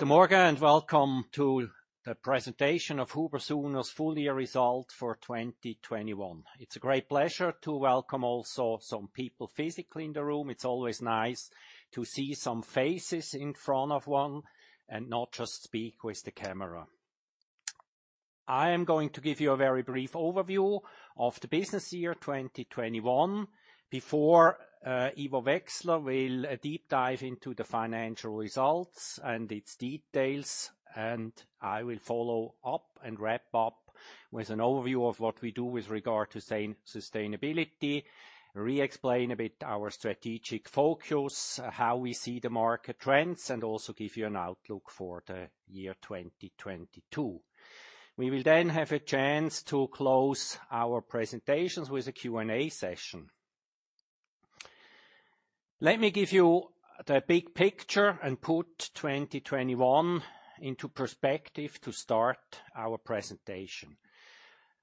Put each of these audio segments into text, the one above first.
Good morning, and welcome to the presentation of HUBER+SUHNER's Full Year Result For 2021. It's a great pleasure to welcome also some people physically in the room. It's always nice to see some faces in front of one and not just speak with the camera. I am going to give you a very brief overview of the business year 2021 before Ivo Wechsler will deep dive into the financial results and its details, and I will follow up and wrap up with an overview of what we do with regard to our sustainability, re-explain a bit our strategic focus, how we see the market trends, and also give you an outlook for the year 2022. We will then have a chance to close our presentations with a Q&A session. Let me give you the big picture and put 2021 into perspective to start our presentation.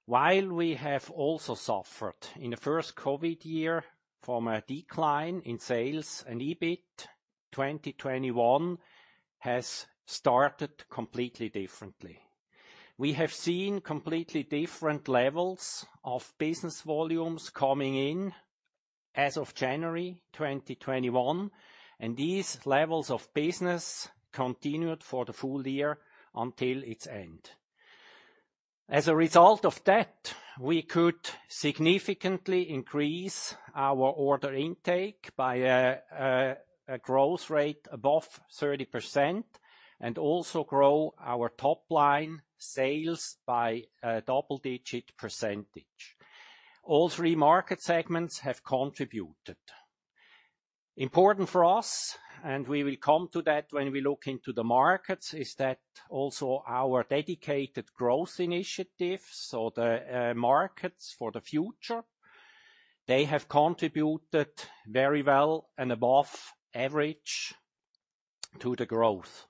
While we have also suffered in the first COVID year from a decline in sales and EBIT, 2021 has started completely differently. We have seen completely different levels of business volumes coming in as of January 2021, and these levels of business continued for the full year until its end. As a result of that, we could significantly increase our order intake by a growth rate above 30% and also grow our top line sales by a double-digit percentage. All three market segments have contributed. Important for us, and we will come to that when we look into the markets, is that also our dedicated growth initiatives or the markets for the future, they have contributed very well and above average to the growth.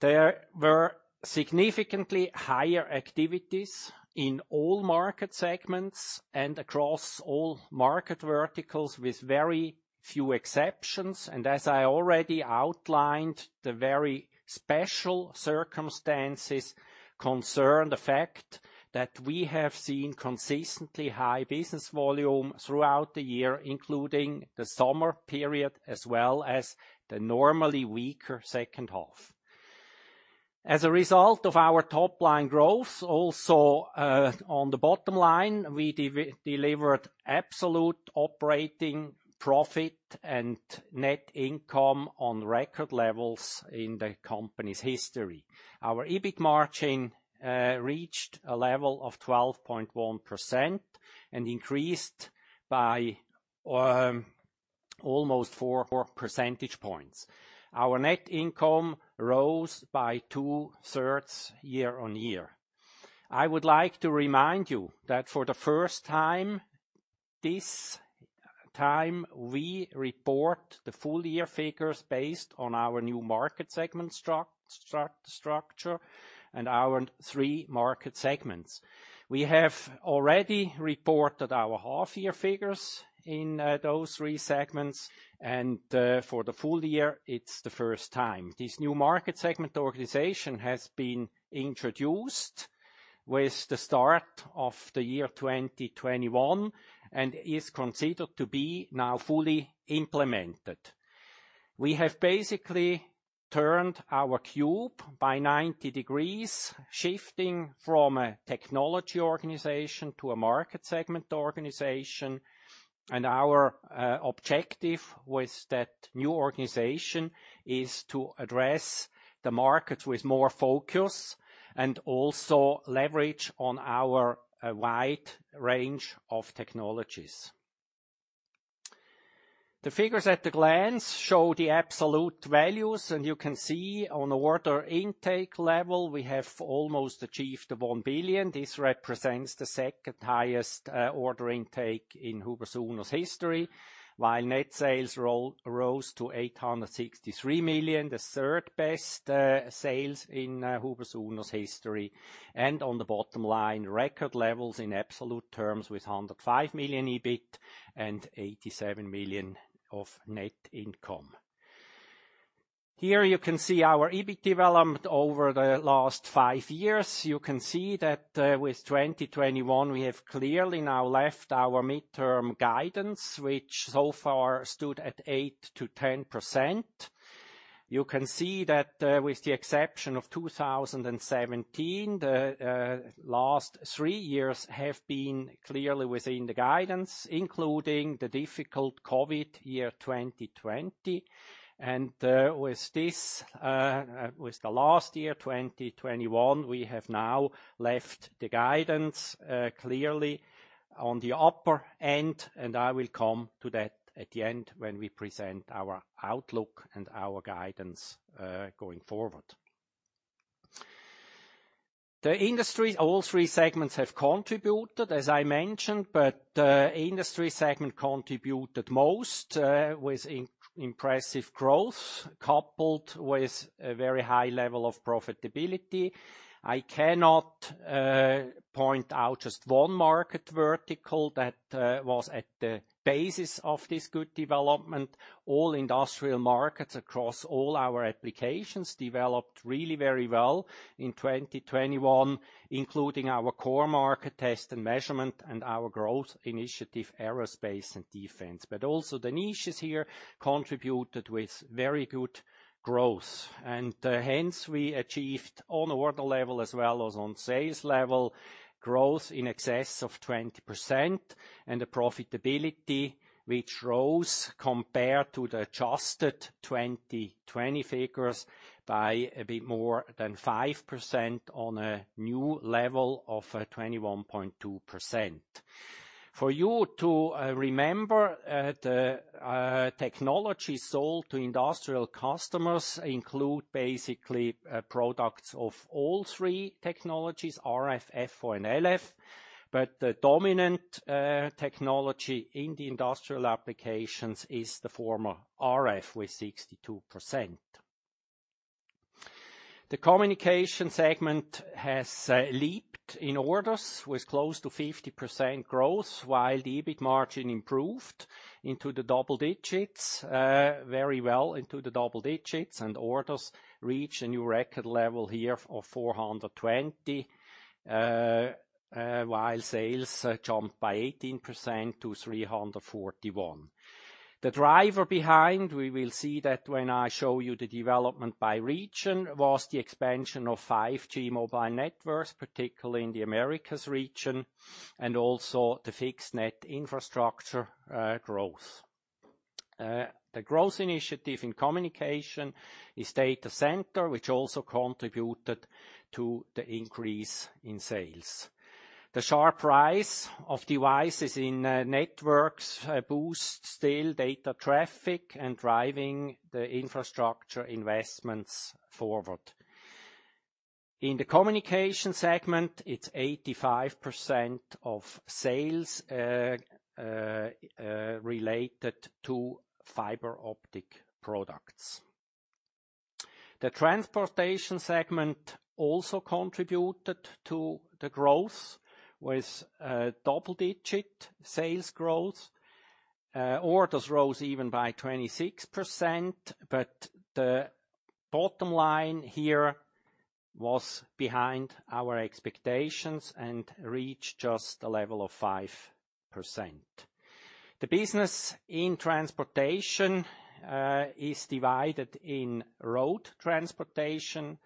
There were significantly higher activities in all market segments and across all market verticals with very few exceptions. As I already outlined, the very special circumstances concern the fact that we have seen consistently high business volume throughout the year, including the summer period, as well as the normally weaker second half. As a result of our top line growth, also, on the bottom line, we delivered absolute operating profit and net income on record levels in the company's history. Our EBIT margin reached a level of 12.1% and increased by almost four percentage points. Our net income rose by two-thirds year-on-year. I would like to remind you that for the first time, this time we report the full-year figures based on our new market segment structure and our three market segments. We have already reported our half-year figures in those three segments, and for the full year, it's the first time. This new market segment organization has been introduced with the start of the year 2021 and is considered to be now fully implemented. We have basically turned our cube by 90 degrees, shifting from a technology organization to a market segment organization. Our objective with that new organization is to address the markets with more focus and also leverage on our wide range of technologies. The figures at a glance show the absolute values, and you can see on order intake level, we have almost achieved the 1 billion. This represents the second-highest order intake in HUBER+SUHNER's history, while net sales rose to 863 million, the third-best sales in HUBER+SUHNER's history, and on the bottom line, record levels in absolute terms with 105 million EBIT and 87 million of net income. Here you can see our EBIT development over the last five years. You can see that, with 2021 we have clearly now left our mid-term guidance, which so far stood at 8%-10%. You can see that, with the exception of 2017, the last three years have been clearly within the guidance, including the difficult COVID year 2020. With this, with the last year, 2021, we have now left the guidance, clearly on the upper end, and I will come to that at the end when we present our outlook and our guidance, going forward. The industry, all three segments have contributed, as I mentioned, but industry segment contributed most, with impressive growth, coupled with a very high level of profitability. I cannot point out just one market vertical that was at the basis of this good development. All industrial markets across all our applications developed really very well in 2021, including our core market Test and Measurement, and our growth initiative, Aerospace and Defense. Also the niches here contributed with very good growth. Hence we achieved on order level as well as on sales level, growth in excess of 20%, and the profitability which rose compared to the adjusted 2020 figures by a bit more than 5% on a new level of 21.2%. For you to remember, the technology sold to industrial customers include basically products of all three technologies RF, FO, and LF. The dominant technology in the industrial applications is the former RF, with 62%. The Communication segment has leaped in orders with close to 50% growth, while the EBIT margin improved into the double digits, very well into the double digits, and orders reached a new record level here of 420 million, while sales jumped by 18% to 341 million. The driver behind, we will see that when I show you the development by region, was the expansion of 5G mobile networks, particularly in the Americas region, and also the fixed network infrastructure growth. The growth initiative in Communication is Data Center, which also contributed to the increase in sales. The sharp rise of devices in networks boosts the data traffic and drives the infrastructure investments forward. In the Communication segment, it's 85% of sales related to fiber optic products. The transportation segment also contributed to the growth with double-digit sales growth. Orders rose even by 26%, but the bottom line here was behind our expectations and reached just a level of 5%. The business in transportation is divided in road transportation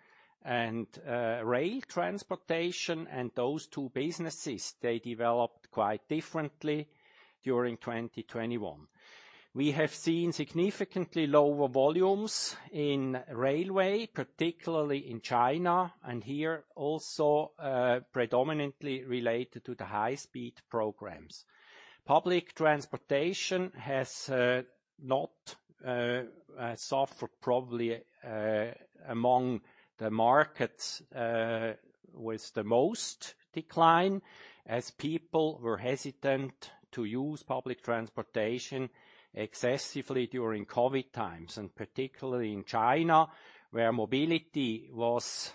and rail transportation. Those two businesses, they developed quite differently during 2021. We have seen significantly lower volumes in railway, particularly in China, and here also predominantly related to the high-speed programs. Public transportation has not suffered probably among the markets with the most decline, as people were hesitant to use public transportation excessively during COVID times, and particularly in China, where mobility was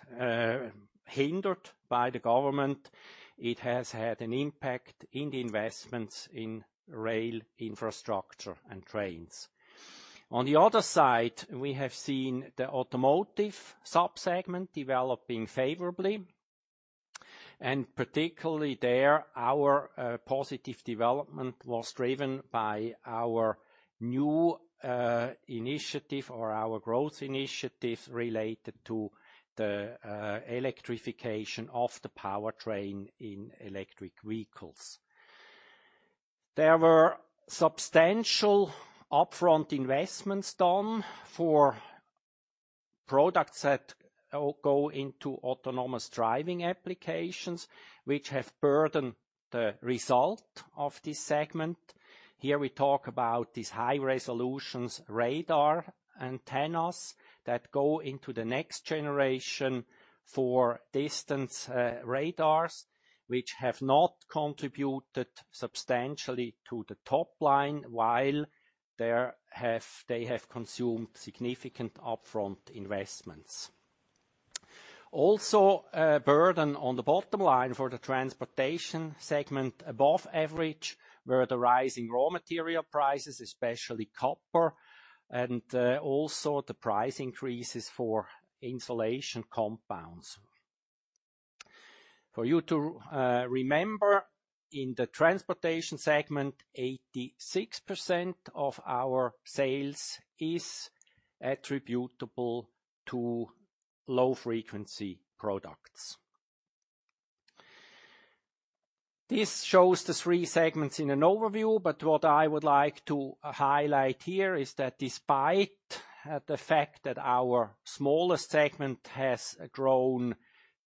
hindered by the government. It has had an impact in the investments in rail infrastructure and trains. On the other side, we have seen the automotive sub-segment developing favorably, and particularly there, our positive development was driven by our new initiative or our growth initiative related to the electrification of the powertrain in Electric Vehicles. There were substantial upfront investments done for products that go into Autonomous Driving applications which have burdened the result of this segment. Here we talk about these high-resolution radar antennas that go into the next generation for distance radars, which have not contributed substantially to the top line while they have consumed significant upfront investments. Also, burden on the bottom line for the transportation segment above average were the rising raw material prices, especially copper, and also the price increases for insulation compounds. For you to remember, in the transportation segment, 86% of our sales is attributable to low-frequency products. This shows the three segments in an overview, but what I would like to highlight here is that despite the fact that our smallest segment has grown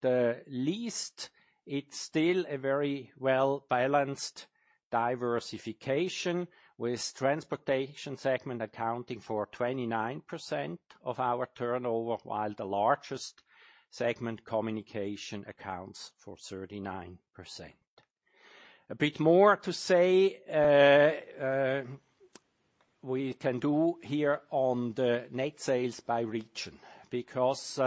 the least. It's still a very well-balanced diversification with transportation segment accounting for 29% of our turnover, while the largest segment communication accounts for 39%. A bit more to say, we can do here on the net sales by region, because,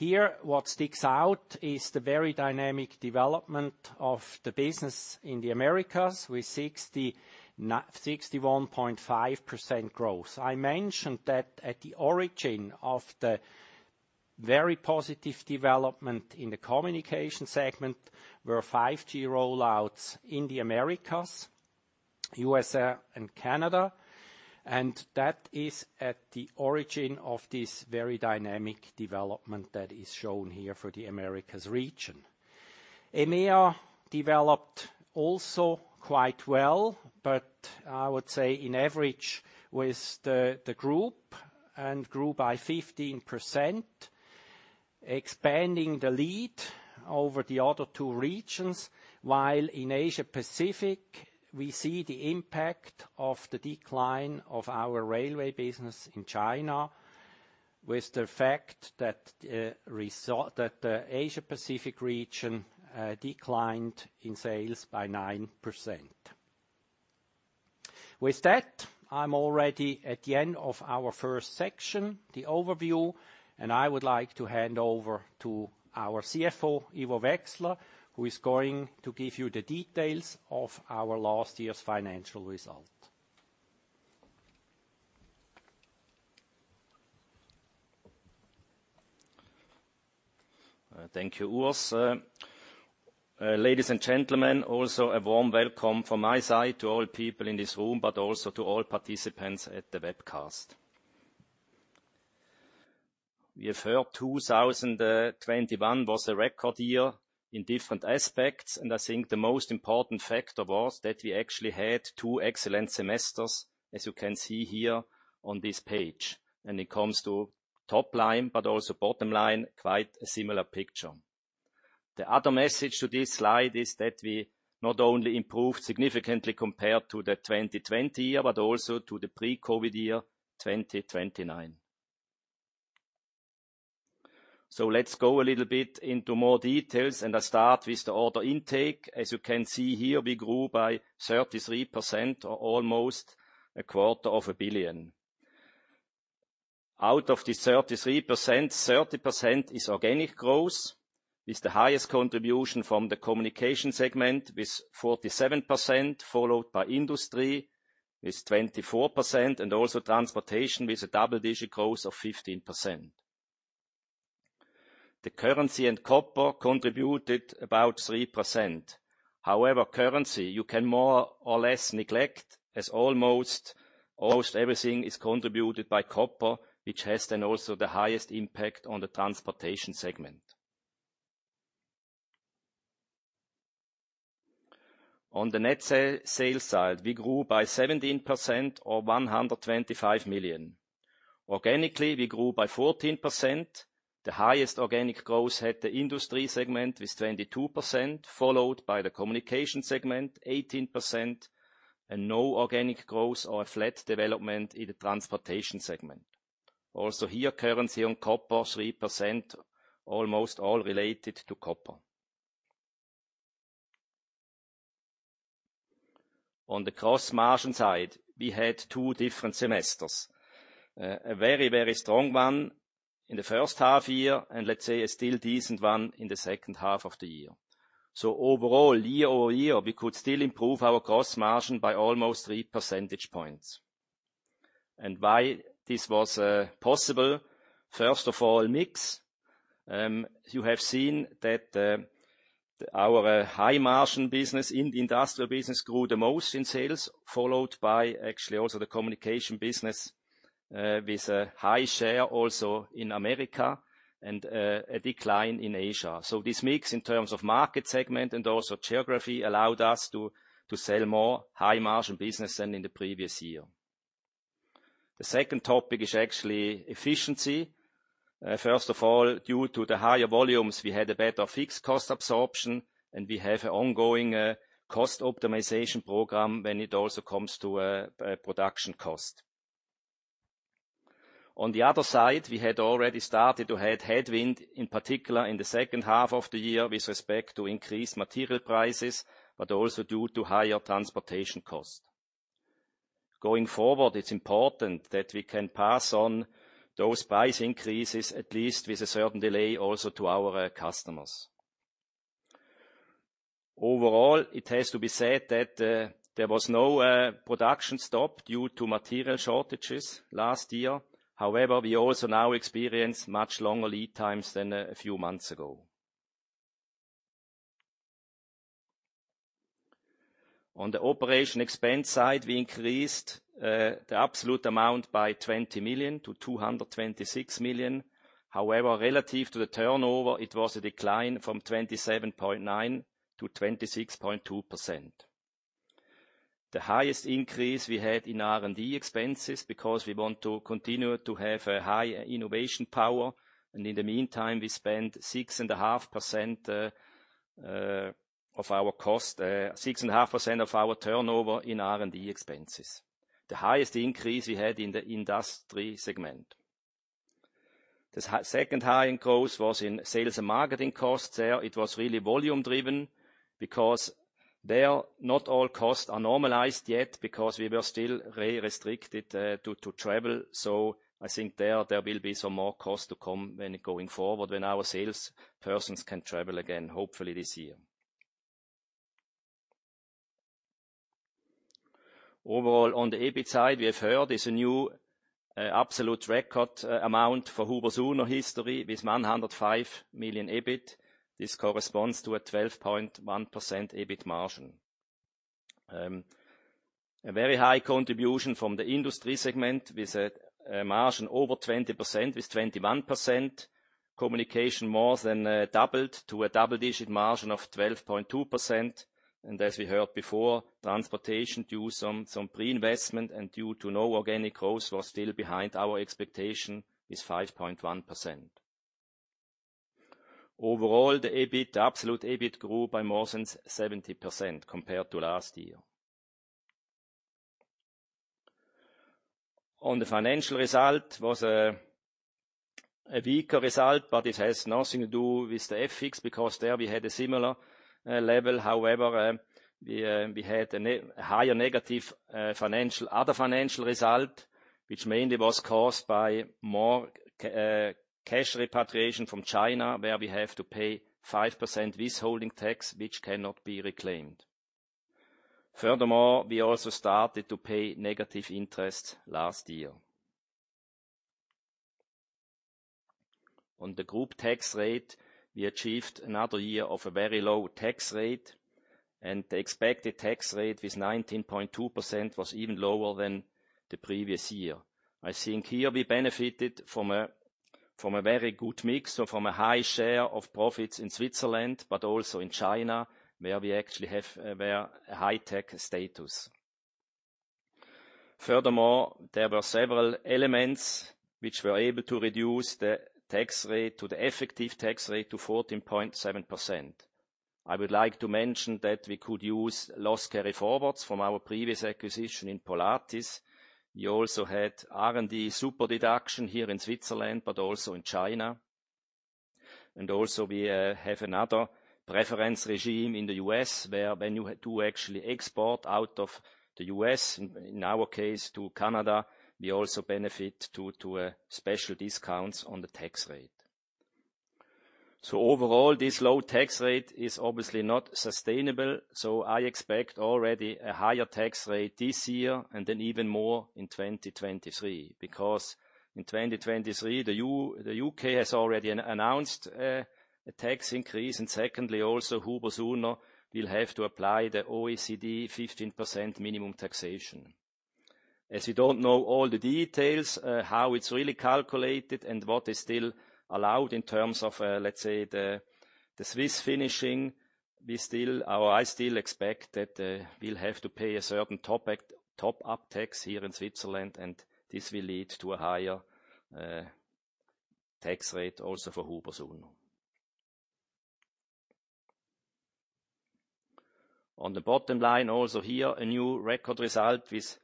here what sticks out is the very dynamic development of the business in the Americas with 61.5% growth. I mentioned that at the origin of the very positive development in the communication segment were 5G rollouts in the Americas, U.S.A. and Canada, and that is at the origin of this very dynamic development that is shown here for the Americas region. EMEA developed also quite well, but I would say in average with the group and grew by 15%, expanding the lead over the other two regions, while in Asia-Pacific, we see the impact of the decline of our railway business in China with the fact that that the Asia-Pacific region declined in sales by 9%. With that, I'm already at the end of our first section, the overview, and I would like to hand over to our CFO, Ivo Wechsler, who is going to give you the details of our last year's financial result. Thank you, Urs. Ladies and gentlemen, also a warm welcome from my side to all people in this room, but also to all participants at the webcast. We have heard 2021 was a record year in different aspects, and I think the most important factor was that we actually had two excellent semesters, as you can see here on this page. When it comes to top line, but also bottom line, quite a similar picture. The other message to this slide is that we not only improved significantly compared to the 2020 year, but also to the pre-COVID year 2019. Let's go a little bit into more details, and I start with the order intake. As you can see here, we grew by 33% or almost a quarter of a billion CHF. Out of this 33%, 30% is organic growth. It's the highest contribution from the communication segment with 47%, followed by industry with 24%, and also transportation with a double-digit growth of 15%. The currency and copper contributed about 3%. However, currency you can more or less neglect as almost everything is contributed by copper, which has then also the highest impact on the transportation segment. On the net sales side, we grew by 17% or 125 million. Organically, we grew by 14%. The highest organic growth had the industry segment with 22%, followed by the communication segment, 18%, and no organic growth or a flat development in the transportation segment. Also here, currency and copper, 3%, almost all related to copper. On the gross margin side, we had two different semesters. A very, very strong one in the first half year, and let's say a still decent one in the second half of the year. Overall, year-over-year, we could still improve our gross margin by almost 3 percentage points. Why this was possible, first of all, mix. You have seen that, our high margin business in the industrial business grew the most in sales, followed by actually also the communication business, with a high share also in America and, a decline in Asia. This mix in terms of market segment and also geography allowed us to sell more high margin business than in the previous year. The second topic is actually efficiency. First of all, due to the higher volumes, we had a better fixed cost absorption, and we have an ongoing cost optimization program when it also comes to production cost. On the other side, we had already started to headwind, in particular in the second half of the year with respect to increased material prices, but also due to higher transportation cost. Going forward, it's important that we can pass on those price increases, at least with a certain delay, also to our customers. Overall, it has to be said that there was no production stop due to material shortages last year. However, we also now experience much longer lead times than a few months ago. On the operating expense side, we increased the absolute amount by 20 million to 226 million. However, relative to the turnover, it was a decline from 27.9%-26.2%. The highest increase we had in R&D expenses because we want to continue to have a high innovation power. In the meantime, we spent 6.5% of our cost, 6.5% of our turnover in R&D expenses. The highest increase we had in the industry segment. The second high increase was in sales and marketing costs. There it was really volume driven because there, not all costs are normalized yet because we were still very restricted to travel. I think there will be some more cost to come when going forward, when our salespersons can travel again, hopefully this year. Overall, on the EBIT side, we have heard is a new absolute record amount for HUBER+SUHNER history with 105 million EBIT. This corresponds to a 12.1% EBIT margin. A very high contribution from the Industry segment with a margin over 20%, with 20%. Communication more than doubled to a double-digit margin of 12.2%. As we heard before, Transportation due some pre-investment and due to no organic growth was still behind our expectation with 5.1%. Overall, the EBIT, absolute EBIT grew by more than 70% compared to last year. On the financial result was a weaker result, but it has nothing to do with the FX, because there we had a similar level. However, we had a higher negative other financial result, which mainly was caused by more cash repatriation from China, where we have to pay 5% withholding tax, which cannot be reclaimed. Furthermore, we also started to pay negative interest last year. On the group tax rate, we achieved another year of a very low tax rate, and the expected tax rate with 19.2% was even lower than the previous year. I think here we benefited from a very good mix, so from a high share of profits in Switzerland, but also in China, where we actually have a high-tech status. Furthermore, there were several elements which were able to reduce the tax rate to the effective tax rate to 14.7%. I would like to mention that we could use loss carry-forwards from our previous acquisition in Polatis. We also had R&D super deduction here in Switzerland, but also in China. We have another preference regime in the U.S., where when you do actually export out of the U.S., in our case to Canada, we also benefit from a special discount on the tax rate. Overall, this low tax rate is obviously not sustainable, so I expect already a higher tax rate this year and then even more in 2023. Because in 2023, the U.K. has already announced a tax increase, and secondly, HUBER+SUHNER will have to apply the OECD 15% minimum taxation. As we don't know all the details, how it's really calculated and what is still allowed in terms of, let's say the Swiss finishing, we still or I still expect that we'll have to pay a certain top-up tax here in Switzerland, and this will lead to a higher tax rate also for HUBER+SUHNER. On the bottom line, also here a new record result with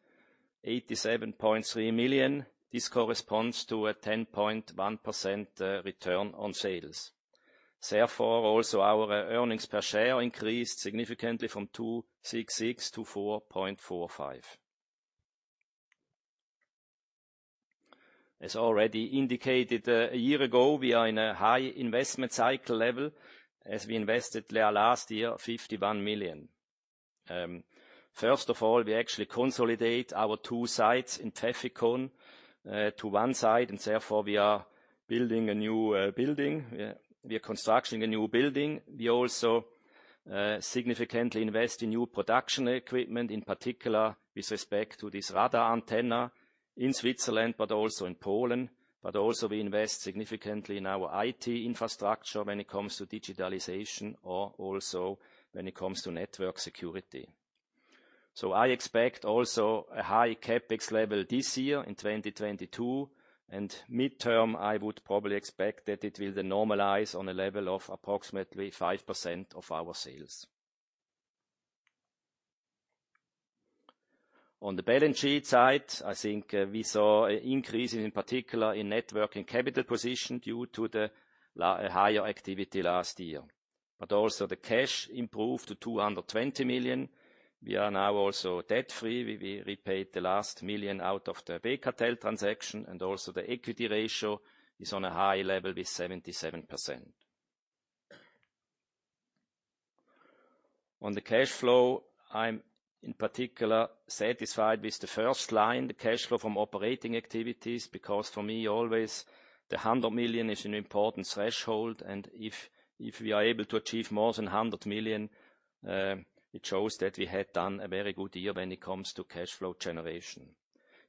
87.3 million. This corresponds to a 10.1% return on sales. Therefore, also our earnings per share increased significantly from 2.66 to 4.45. As already indicated a year ago, we are in a high investment cycle level as we invested last year 51 million. First of all, we actually consolidate our two sites in Pfäffikon to one site, and therefore we are building a new building. We are constructing a new building. We also significantly invest in new production equipment, in particular with respect to this radar antenna in Switzerland but also in Poland. We invest significantly in our IT infrastructure when it comes to digitalization or also when it comes to network security. I expect also a high CapEx level this year in 2022, and midterm, I would probably expect that it will then normalize on a level of approximately 5% of our sales. On the balance sheet side, I think, we saw an increase in particular in net working capital position due to the higher activity last year. Also the cash improved to 220 million. We are now also debt-free. We repaid the last 1 million out of the BKtel transaction, and also the equity ratio is on a high level with 77%. On the cash flow, I'm in particular satisfied with the first line, the cash flow from operating activities, because for me always the 100 million is an important threshold, and if we are able to achieve more than 100 million, it shows that we had done a very good year when it comes to cash flow generation.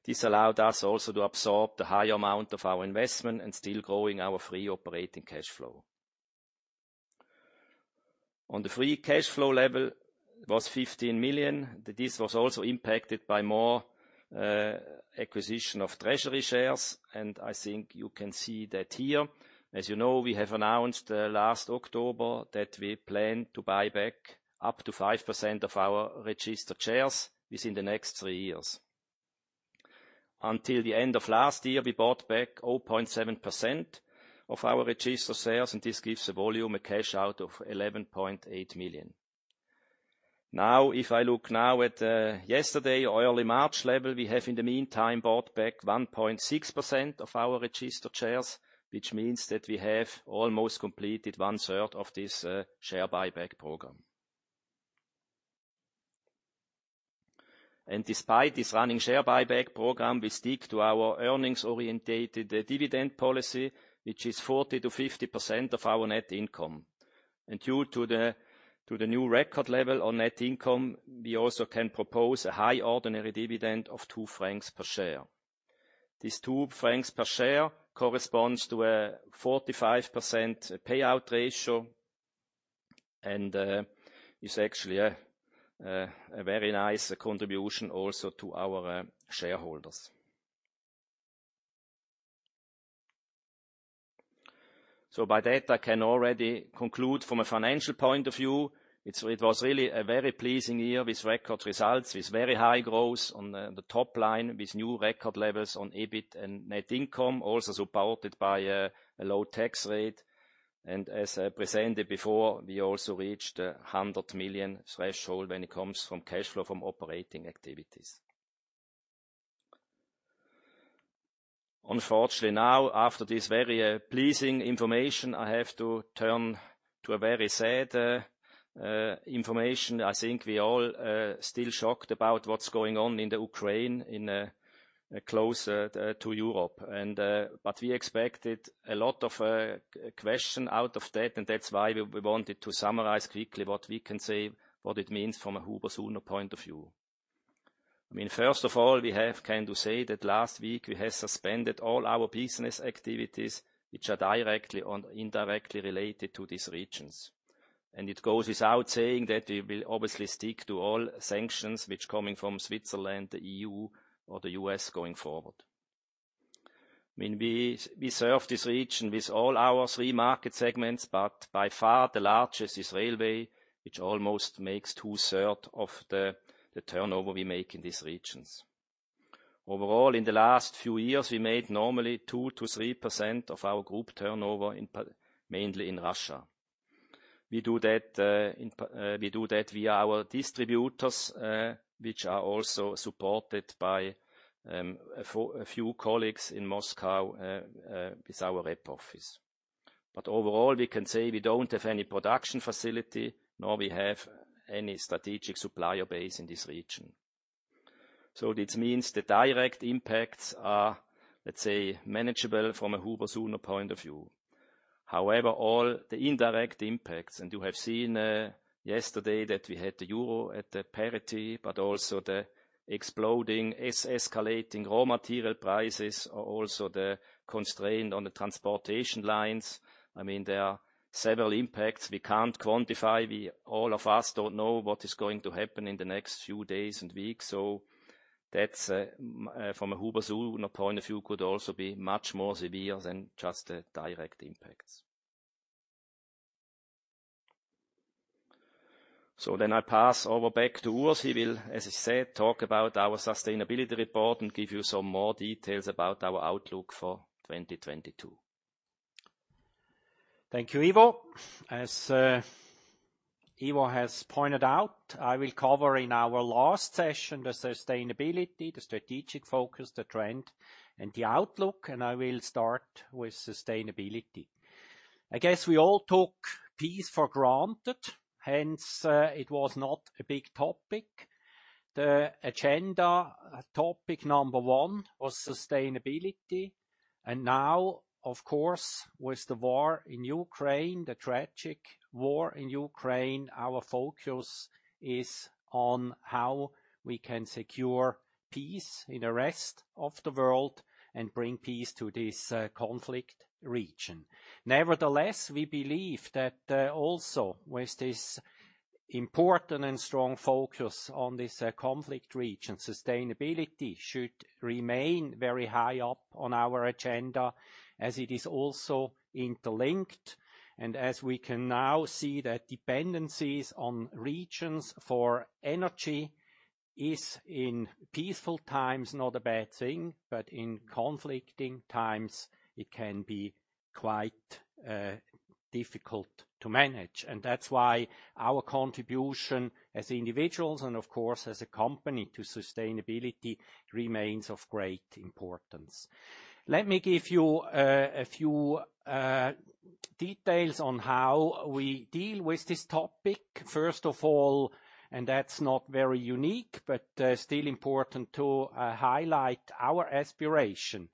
This allowed us also to absorb the high amount of our investment and still growing our free operating cash flow. On the free cash flow level was 15 million. This was also impacted by more acquisition of treasury shares, and I think you can see that here. As you know, we have announced last October that we plan to buy back up to 5% of our registered shares within the next three years. Until the end of last year, we bought back 0.7% of our registered shares, and this gives the volume a cash out of 11.8 million. Now, if I look now at yesterday or early March level, we have in the meantime bought back 1.6% of our registered shares, which means that we have almost completed one third of this share buyback program. Despite this running share buyback program, we stick to our earnings-oriented dividend policy, which is 40%-50% of our net income. Due to the new record level on net income, we also can propose a high ordinary dividend of 2 francs per share. This 2 francs per share corresponds to a 45% payout ratio and is actually a very nice contribution also to our shareholders. By that, I can already conclude from a financial point of view, it was really a very pleasing year with record results, with very high growth on the top line, with new record levels on EBIT and net income, also supported by a low tax rate. As I presented before, we also reached a 100 million threshold when it comes from cash flow from operating activities. Unfortunately, now after this very pleasing information, I have to turn to a very sad information. I think we all still shocked about what's going on in Ukraine close to Europe. We expected a lot of questions out of that, and that's why we wanted to summarize quickly what we can say, what it means from a HUBER+SUHNER point of view. I mean, first of all, we have come to say that last week we have suspended all our business activities which are directly or indirectly related to these regions. It goes without saying that we will obviously stick to all sanctions which are coming from Switzerland, the EU, or the U.S. going forward. I mean, we serve this region with all our three market segments, but by far the largest is railway, which almost makes two-thirds of the turnover we make in these regions. Overall, in the last few years, we made normally 2%-3% of our group turnover mainly in Russia. We do that via our distributors, which are also supported by a few colleagues in Moscow with our rep office. Overall, we can say we don't have any production facility, nor we have any strategic supplier base in this region. This means the direct impacts are, let's say, manageable from a HUBER+SUHNER point of view. However, all the indirect impacts, and you have seen yesterday that we had the euro at parity, but also the exploding, escalating raw material prices are also the constraint on the transportation lines. I mean, there are several impacts we can't quantify. All of us don't know what is going to happen in the next few days and weeks. That's from a HUBER+SUHNER point of view, could also be much more severe than just the direct impacts. I pass over back to Urs. He will, as I said, talk about our sustainability report and give you some more details about our outlook for 2022. Thank you, Ivo. As Ivo has pointed out, I will cover in our last session the sustainability, the strategic focus, the trend, and the outlook, and I will start with sustainability. I guess we all took peace for granted, hence it was not a big topic. The agenda topic number one was sustainability. Now, of course, with the war in Ukraine, the tragic war in Ukraine, our focus is on how we can secure peace in the rest of the world and bring peace to this conflict region. Nevertheless, we believe that also with this important and strong focus on this conflict region, sustainability should remain very high up on our agenda as it is also interlinked, and as we can now see that dependencies on regions for energy is in peaceful times not a bad thing, but in conflicting times it can be quite difficult to manage. That's why our contribution as individuals and, of course, as a company to sustainability remains of great importance. Let me give you a few details on how we deal with this topic. First of all, and that's not very unique, but still important to highlight our aspiration,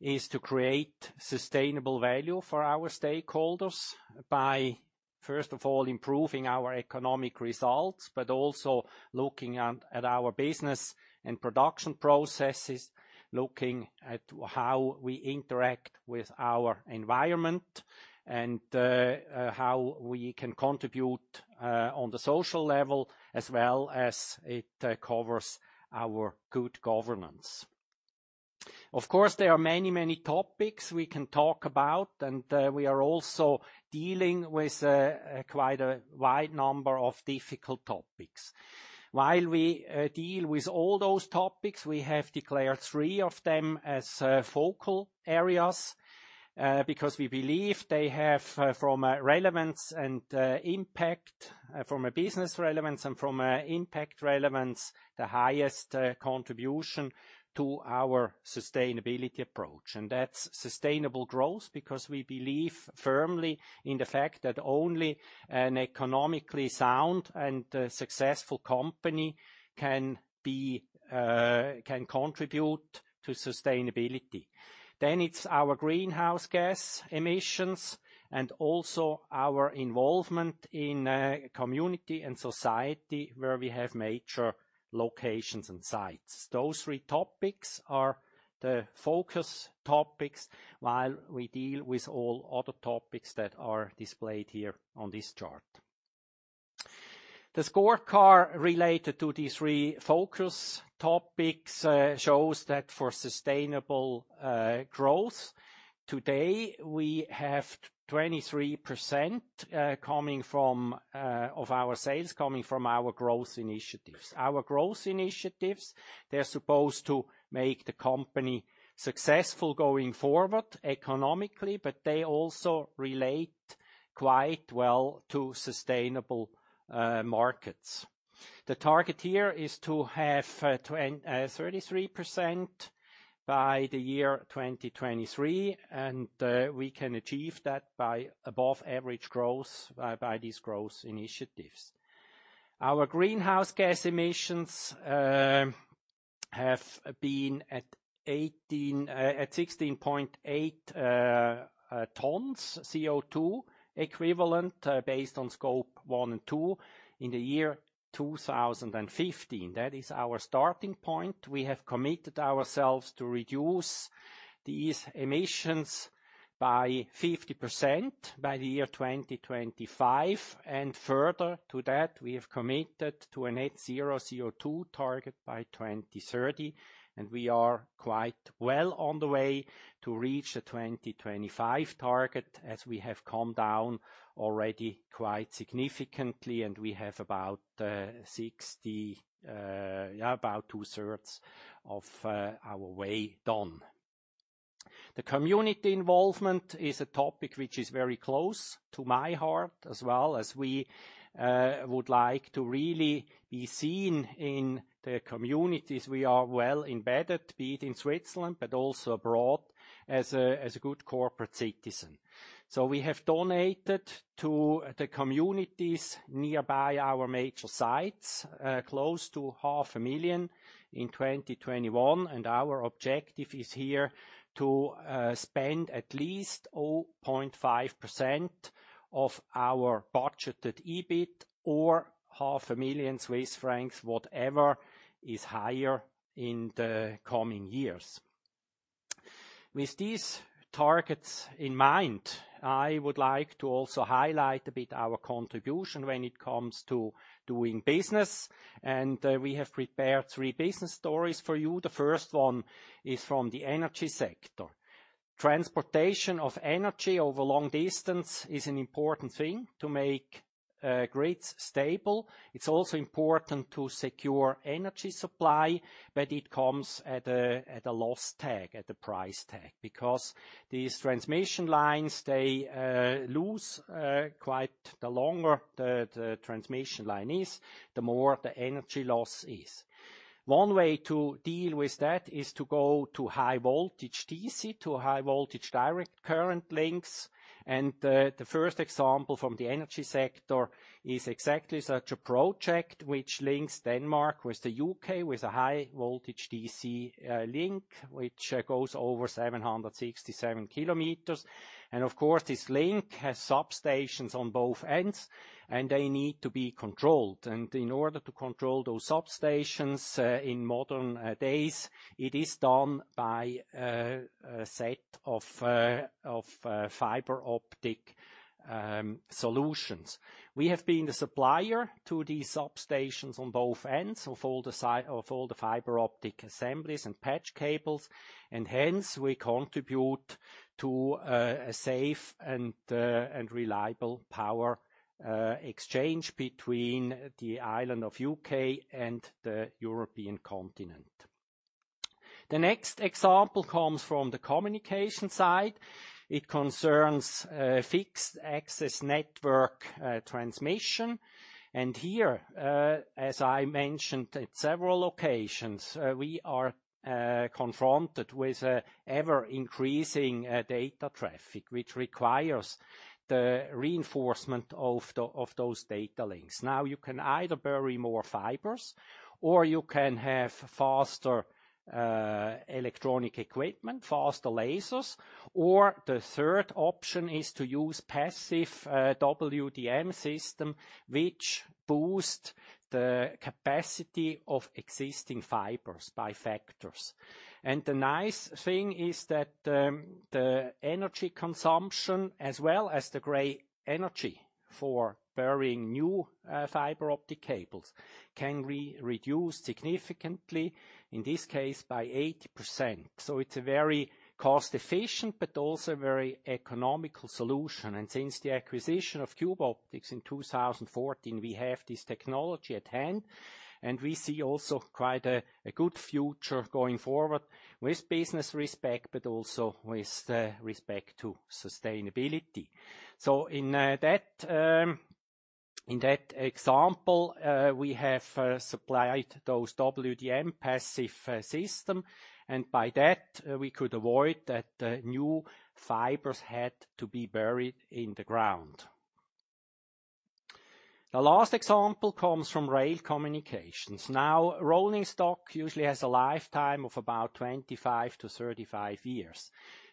is to create sustainable value for our stakeholders by, first of all, improving our economic results, but also looking at our business and production processes, looking at how we interact with our environment. How we can contribute on the social level, as well as it covers our good governance. Of course, there are many, many topics we can talk about, and we are also dealing with quite a wide number of difficult topics. While we deal with all those topics, we have declared three of them as focal areas, because we believe they have from relevance and impact from a business relevance and from a impact relevance, the highest contribution to our sustainability approach. That's sustainable growth, because we believe firmly in the fact that only an economically sound and a successful company can contribute to sustainability. It's our greenhouse gas emissions and also our involvement in community and society where we have major locations and sites. Those three topics are the focus topics while we deal with all other topics that are displayed here on this chart. The scorecard related to these three focus topics shows that for sustainable growth today, we have 23% of our sales coming from our growth initiatives. Our growth initiatives, they're supposed to make the company successful going forward economically, but they also relate quite well to sustainable markets. The target here is to have 33% by the year 2023, and we can achieve that by above average growth by these growth initiatives. Our greenhouse gas emissions have been at 16.8 tons CO2 equivalent, based on Scope 1 and 2 in the year 2015. That is our starting point. We have committed ourselves to reduce these emissions by 50% by the year 2025. Further to that, we have committed to a net zero CO2 target by 2030, and we are quite well on the way to reach the 2025 target as we have come down already quite significantly, and we have about two-thirds of our way done. The community involvement is a topic which is very close to my heart as well as we would like to really be seen in the communities. We are well embedded, be it in Switzerland, but also abroad as a good corporate citizen. We have donated to the communities nearby our major sites close to 0.5 million in 2021. Our objective is here to spend at least 0.5% of our budgeted EBIT or 0.5 million Swiss francs, whatever is higher in the coming years. With these targets in mind, I would like to also highlight a bit our contribution when it comes to doing business, and we have prepared three business stories for you. The first one is from the energy sector. Transportation of energy over long distance is an important thing to make grids stable. It's also important to secure energy supply, but it comes at a price tag, because these transmission lines lose. The longer the transmission line is, the more the energy loss is. One way to deal with that is to go to high-voltage DC, to high-voltage direct current links. The first example from the energy sector is exactly such a project which links Denmark with the U.K., with a high-voltage DC link, which goes over 767 km. Of course, this link has substations on both ends, and they need to be controlled. In order to control those substations in modern days, it is done by a set of fiber optic solutions. We have been the supplier to these substations on both ends of all the fiber optic assemblies and patch cables, and hence we contribute to a safe and reliable power exchange between the island of U.K. and the European continent. The next example comes from the communication side. It concerns fixed access network transmission. Here, as I mentioned at several occasions, we are confronted with ever-increasing data traffic, which requires the reinforcement of those data links. Now, you can either bury more fibers or you can have faster electronic equipment, faster lasers. Or the third option is to use passive WDM system, which boost the capacity of existing fibers by factors. The nice thing is that, the energy consumption as well as the gray energy for burying new, fiber optic cables can be reduced significantly, in this case by 80%. It's a very cost efficient, but also very economical solution. Since the acquisition of Cube Optics in 2014, we have this technology at hand, and we see also quite a good future going forward with business respect, but also with respect to sustainability. In that example, we have supplied those WDM passive system, and by that we could avoid that new fibers had to be buried in the ground. The last example comes from Rail Communication. Now, rolling stock usually has a lifetime of about 25-35 years,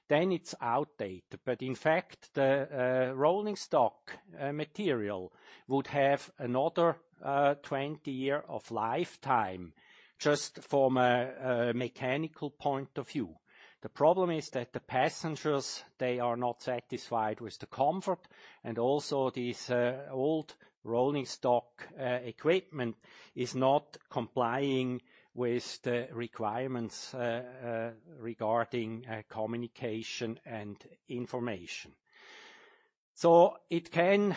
then it's outdated. In fact, the rolling stock material would have another 20-year lifetime just from a mechanical point of view. The problem is that the passengers they are not satisfied with the comfort and also these old rolling stock equipment is not complying with the requirements regarding communication and information. It can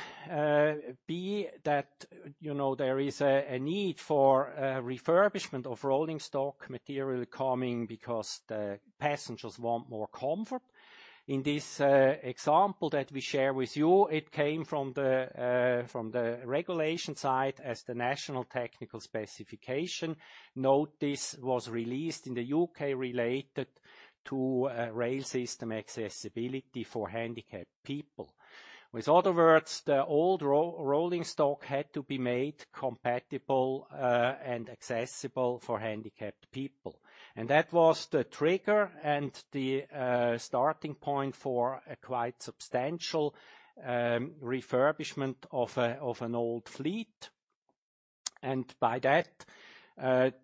be that, you know, there is a need for a refurbishment of rolling stock material coming because the passengers want more comfort. In this example that we share with you, it came from the regulation side as the National Technical Specification Notice was released in the U.K. related to rail system accessibility for handicapped people. In other words, the old rolling stock had to be made compatible and accessible for handicapped people. That was the trigger and the starting point for a quite substantial refurbishment of an old fleet. By that,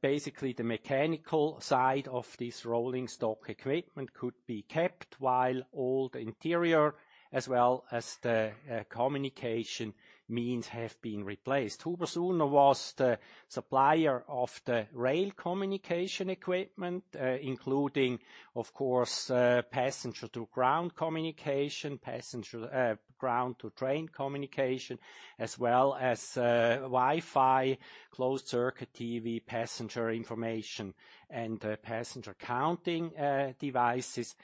basically the mechanical side of this rolling stock equipment could be kept while old interior as well as the communication means have been replaced. HUBER+SUHNER was the supplier of the Rail Communication equipment, including of course passenger-to-ground communication. Passenger ground-to-train communication, as well as Wi-Fi closed-circuit TV, passenger information, and passenger counting devices.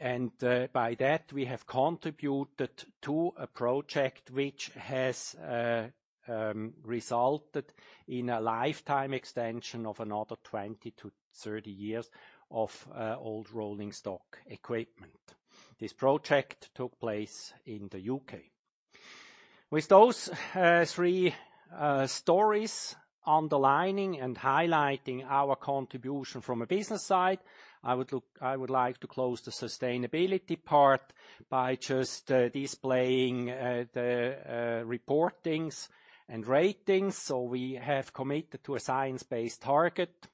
By that, we have contributed to a project which has resulted in a lifetime extension of another 20-30 years of old rolling stock equipment. This project took place in the U.K. With those three stories underlining and highlighting our contribution from a business side, I would like to close the sustainability part by just displaying the reporting and ratings. We have committed to a science-based target.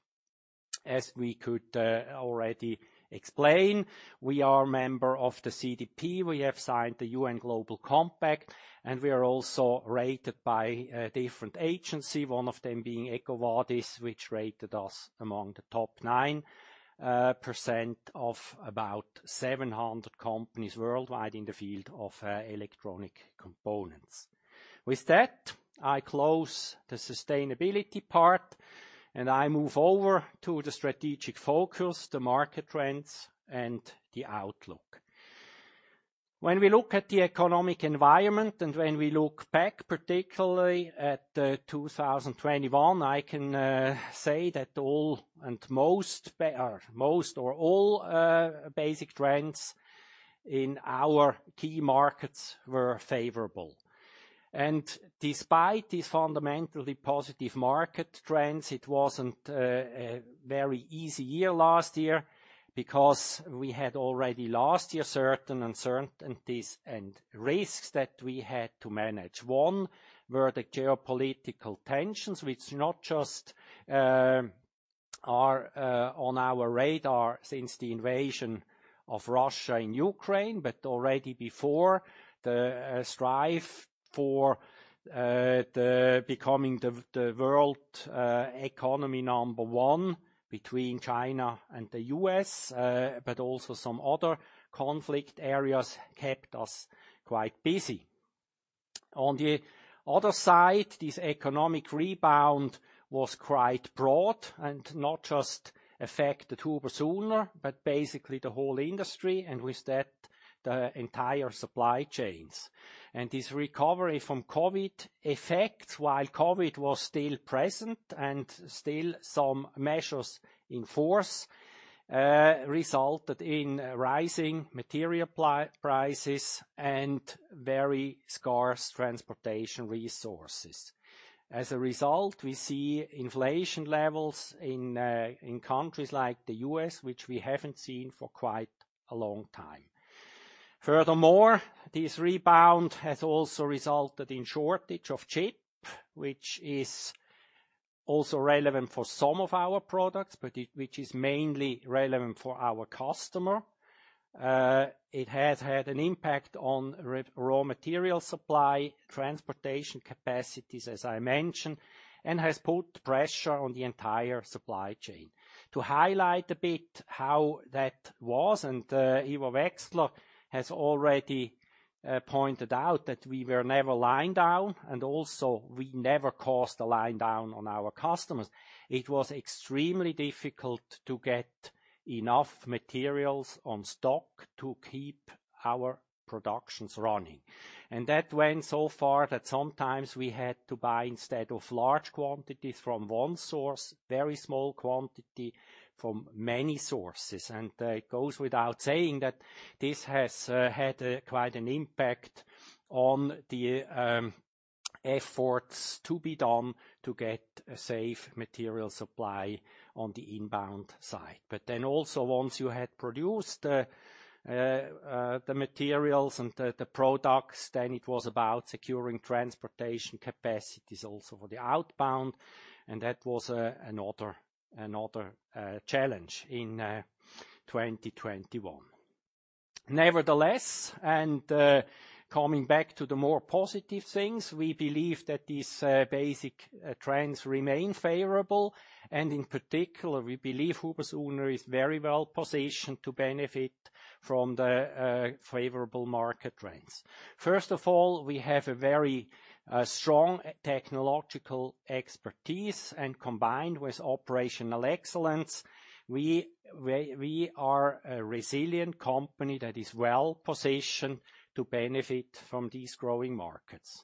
As we could already explain, we are a member of the CDP, we have signed the UN Global Compact, and we are also rated by a different agency, one of them being EcoVadis, which rated us among the top 9% of about 700 companies worldwide in the field of electronic components. With that, I close the sustainability part and I move over to the strategic focus, the market trends and the outlook. When we look at the economic environment and when we look back, particularly at 2021, I can say that most or all basic trends in our key markets were favorable. Despite these fundamentally positive market trends, it wasn't a very easy year last year because we had already last year certain uncertainties and risks that we had to manage. One were the geopolitical tensions, which not just are on our radar since the Russian invasion of Ukraine, but already before the strife for becoming the world economy number one between China and the U.S., but also some other conflict areas kept us quite busy. On the other side, this economic rebound was quite broad and not just affect the HUBER+SUHNER, but basically the whole industry, and with that, the entire supply chains. This recovery from COVID effects, while COVID was still present and still some measures in force, resulted in rising material prices and very scarce transportation resources. As a result, we see inflation levels in countries like the U.S., which we haven't seen for quite a long time. Furthermore, this rebound has also resulted in shortage of chips, which is also relevant for some of our products, but which is mainly relevant for our customer. It has had an impact on raw material supply, transportation capacities, as I mentioned, and has put pressure on the entire supply chain. To highlight a bit how that was. Ivo Wechsler has already pointed out that we were never line down, and also we never caused a line down on our customers. It was extremely difficult to get enough materials on stock to keep our productions running. That went so far that sometimes we had to buy instead of large quantities from one source, very small quantity from many sources. It goes without saying that this has had a quite an impact on the efforts to be done to get a safe material supply on the inbound side. Also once you had produced the materials and the products, then it was about securing transportation capacities also for the outbound, and that was another challenge in 2021. Nevertheless, coming back to the more positive things, we believe that these basic trends remain favorable, and in particular, we believe HUBER+SUHNER is very well positioned to benefit from the favorable market trends. First of all, we have a very strong technological expertise, and combined with operational excellence, we are a resilient company that is well-positioned to benefit from these growing markets.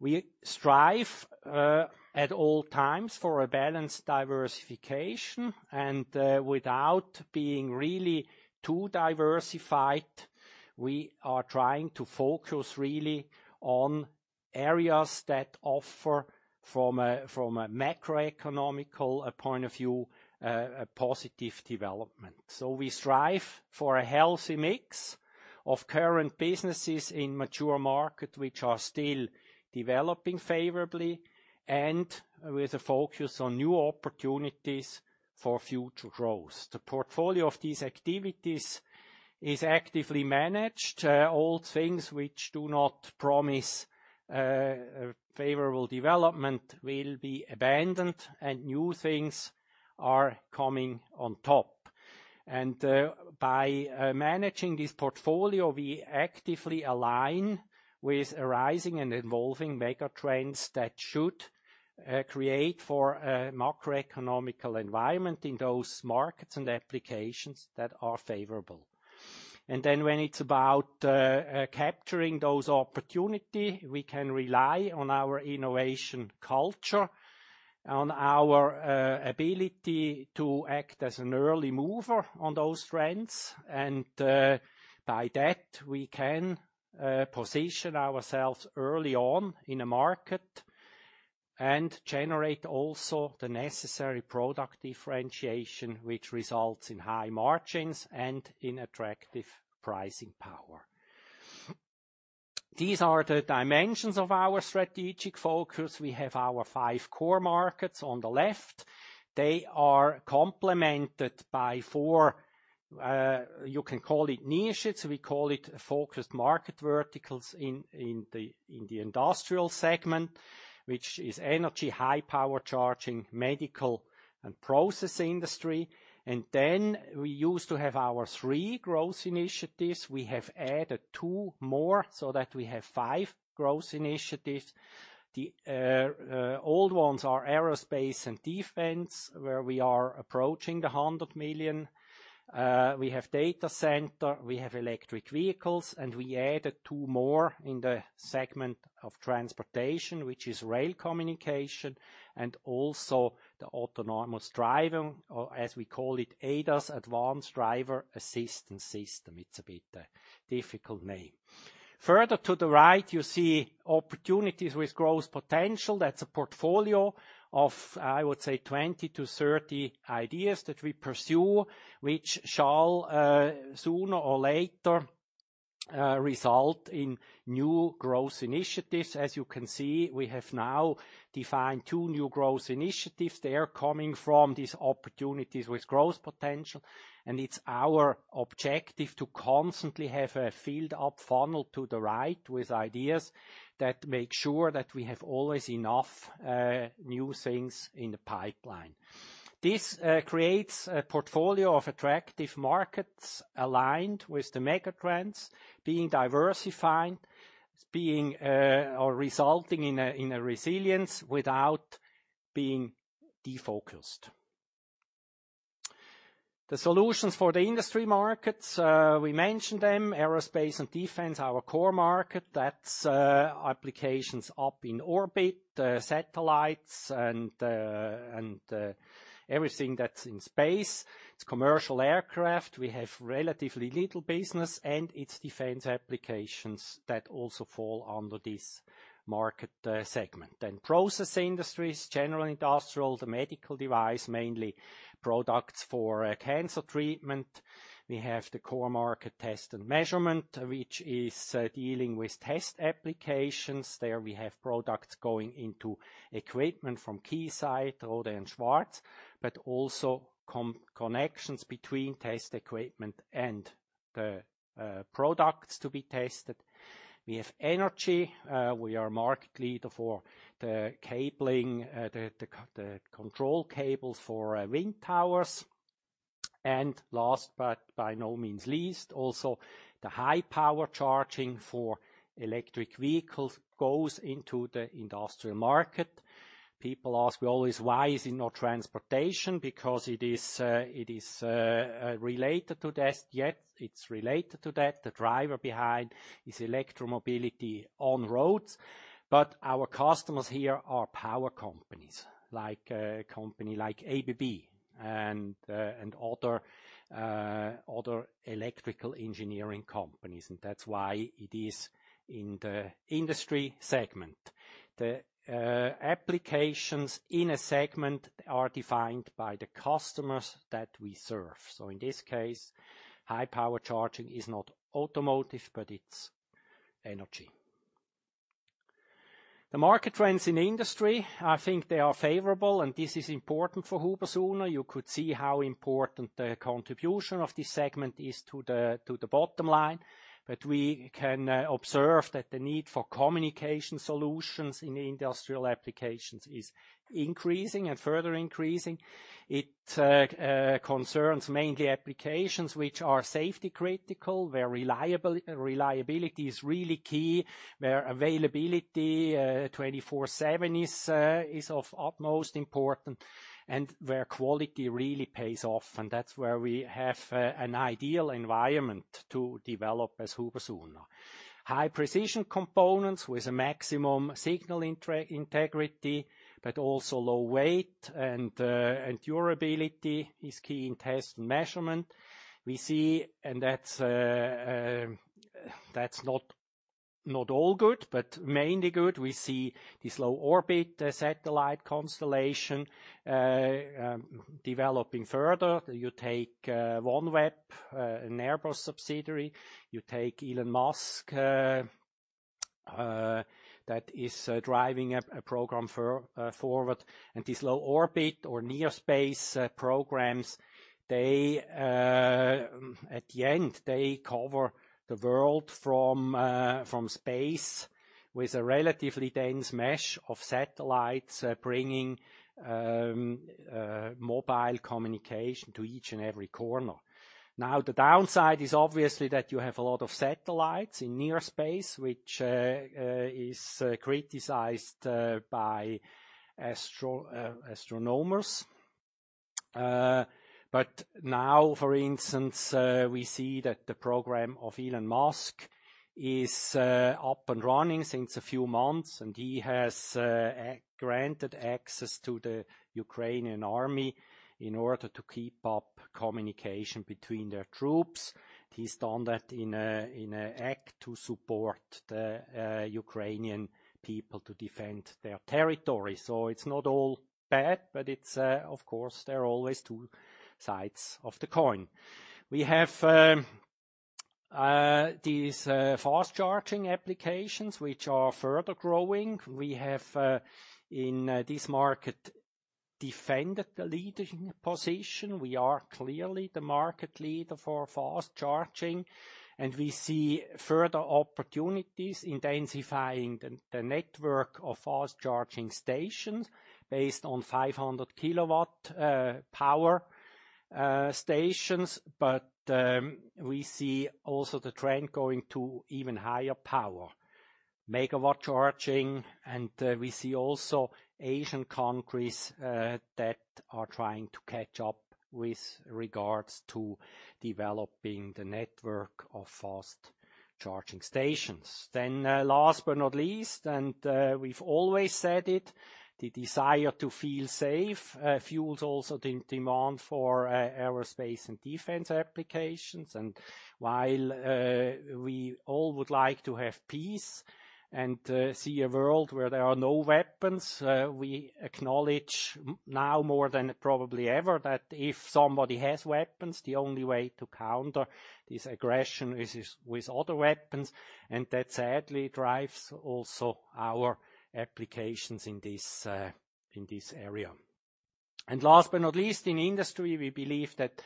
We strive at all times for a balanced diversification and, without being really too diversified, we are trying to focus really on areas that offer from a macroeconomic point of view a positive development. We strive for a healthy mix of current businesses in mature markets which are still developing favorably and with a focus on new opportunities for future growth. The portfolio of these activities is actively managed. Old things which do not promise favorable development will be abandoned and new things are coming on top. By managing this portfolio, we actively align with arising and evolving mega trends that should create a macroeconomic environment in those markets and applications that are favorable. When it's about capturing those opportunities, we can rely on our innovation culture, on our ability to act as an early mover on those trends. By that, we can position ourselves early on in a market and generate also the necessary product differentiation which results in high margins and in attractive pricing power. These are the dimensions of our strategic focus. We have our five core markets on the left. They are complemented by four, you can call it niches. We call it focused market verticals in the industrial segment, which is energy, high power charging, medical, and process industry. We used to have our three growth initiatives. We have added two more so that we have five growth initiatives. The old ones are Aerospace and Defense, where we are approaching 100 million. We have Data Center, we have Electric Vehicles, and we added two more in the segment of transportation, which is Rail Communication and also the Autonomous Driving, or as we call it ADAS, Advanced Driver Assistance System. It's a bit difficult name. Further to the right, you see opportunities with growth potential. That's a portfolio of, I would say, 20-30 ideas that we pursue, which shall sooner or later result in new growth initiatives. As you can see, we have now defined 2 new growth initiatives. They are coming from these opportunities with growth potential, and it's our objective to constantly have a filled up funnel to the right with ideas that make sure that we have always enough new things in the pipeline. This creates a portfolio of attractive markets aligned with the mega trends being diversified, being or resulting in a resilience without being defocused. The solutions for the industry markets we mentioned them, Aerospace and Defense, our core market. That's applications up in orbit, satellites and everything that's in space. It's commercial aircraft. We have relatively little business, and it's defense applications that also fall under this market segment. Then process industries, general industrial, the medical device, mainly products for cancer treatment. We have the core market Test and Measurement, which is dealing with test applications. There we have products going into equipment from Keysight, Rohde & Schwarz, but also connections between test equipment and the products to be tested. We have energy. We are market leader for the cabling, the control cable for wind towers. Last, but by no means least, also the high power charging for Electric Vehicles goes into the industrial market. People ask me always, "Why is it not transportation?" Because it is related to this. Yet, it's related to that. The driver behind is electro mobility on roads. Our customers here are power companies, like a company like ABB and other electrical engineering companies, and that's why it is in the industry segment. The applications in a segment are defined by the customers that we serve. In this case, high power charging is not automotive, but it's energy. The market trends in industry, I think they are favorable, and this is important for HUBER+SUHNER. You could see how important the contribution of this segment is to the bottom line. We can observe that the need for communication solutions in industrial applications is increasing and further increasing. It concerns mainly applications which are safety critical, where reliability is really key, where availability 24/7 is of utmost important, and where quality really pays off. That's where we have an ideal environment to develop as HUBER+SUHNER. High precision components with a maximum signal integrity, but also low weight and durability is key in Test and Measurement. We see that's not all good, but mainly good. We see this low orbit satellite constellation developing further. You take OneWeb, an Airbus subsidiary, you take Elon Musk that is driving a program forward. This low orbit or near space programs at the end cover the world from space with a relatively dense mesh of satellites, bringing mobile communication to each and every corner. Now, the downside is obviously that you have a lot of satellites in near space, which is criticized by astronomers. Now, for instance, we see that the program of Elon Musk is up and running since a few months, and he has granted access to the Ukrainian army in order to keep up communication between their troops. He's done that in an act to support the Ukrainian people to defend their territory. It's not all bad, but of course, there are always two sides of the coin. We have these fast charging applications which are further growing. We have in this market defended the leading position. We are clearly the market leader for fast charging, and we see further opportunities intensifying the network of fast charging stations based on 500 kW power stations. We see also the trend going to even higher power, megawatt charging. We see also Asian countries that are trying to catch up with regards to developing the network of fast charging stations. Last but not least, we've always said it, the desire to feel safe fuels also the demand for Aerospace and Defense applications. While we all would like to have peace and see a world where there are no weapons, we acknowledge now more than probably ever, that if somebody has weapons, the only way to counter this aggression is with other weapons. That sadly drives also our applications in this area. Last but not least, in industry, we believe that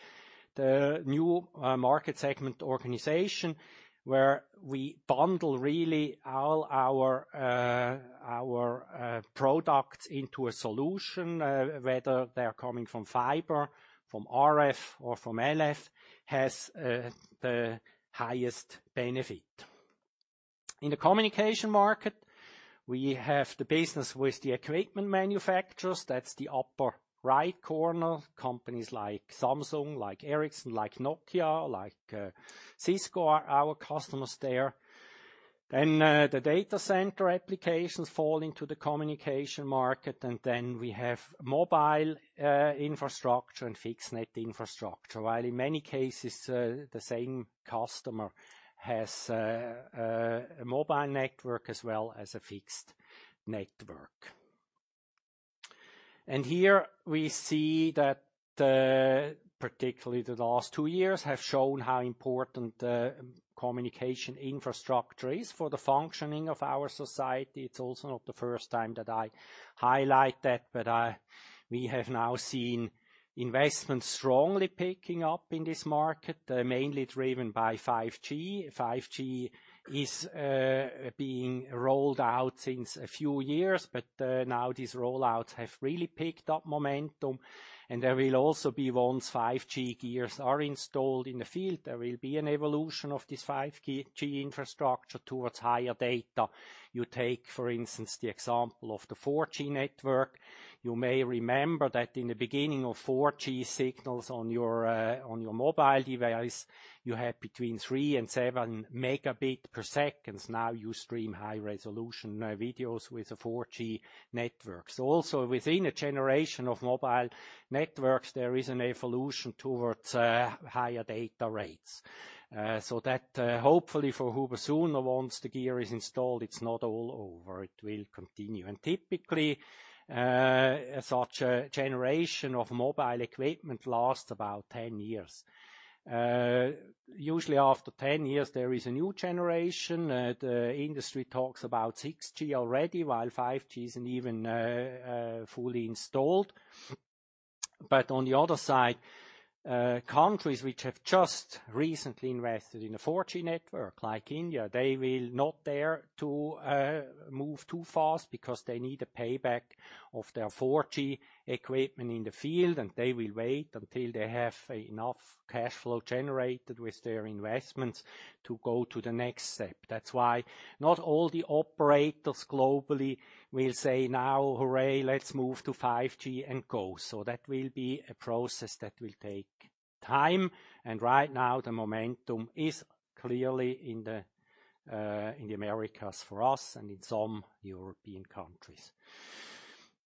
the new market segment organization, where we bundle really all our products into a solution, whether they're coming from fiber, from RF, or from LF, has the highest benefit. In the communication market, we have the business with the equipment manufacturers. That's the upper right corner. Companies like Samsung, like Ericsson, like Nokia, like Cisco, are our customers there. Then the Data Center applications fall into the communication market, and then we have mobile infrastructure and fixed network infrastructure. While in many cases the same customer has a mobile network as well as a fixed network. Here we see that particularly the last two years have shown how important the communication infrastructure is for the functioning of our society. It's also not the first time that I highlight that. We have now seen investment strongly picking up in this market, mainly driven by 5G. 5G is being rolled out since a few years, but now these rollouts have really picked up momentum, and there will also be, once 5G gears are installed in the field, there will be an evolution of this 5G infrastructure towards higher data. You take, for instance, the example of the 4G network. You may remember that in the beginning of 4G signals on your mobile device, you had between 3 Mbps and 7 Mbps. Now you stream high-resolution videos with the 4G networks. Also, within a generation of mobile networks, there is an evolution towards higher data rates. So that, hopefully for HUBER+SUHNER, once the gear is installed, it's not all over. It will continue. Typically, such a generation of mobile equipment lasts about 10 years. Usually after 10 years, there is a new generation. The industry talks about 6G already, while 5G isn't even fully installed. On the other side, countries which have just recently invested in a 4G network, like India, they will not dare to move too fast because they need a payback of their 4G equipment in the field, and they will wait until they have enough cash flow generated with their investments to go to the next step. That's why not all the operators globally will say, "Now, hooray, let's move to 5G and go." That will be a process that will take time. Right now, the momentum is clearly in the Americas for us and in some European countries.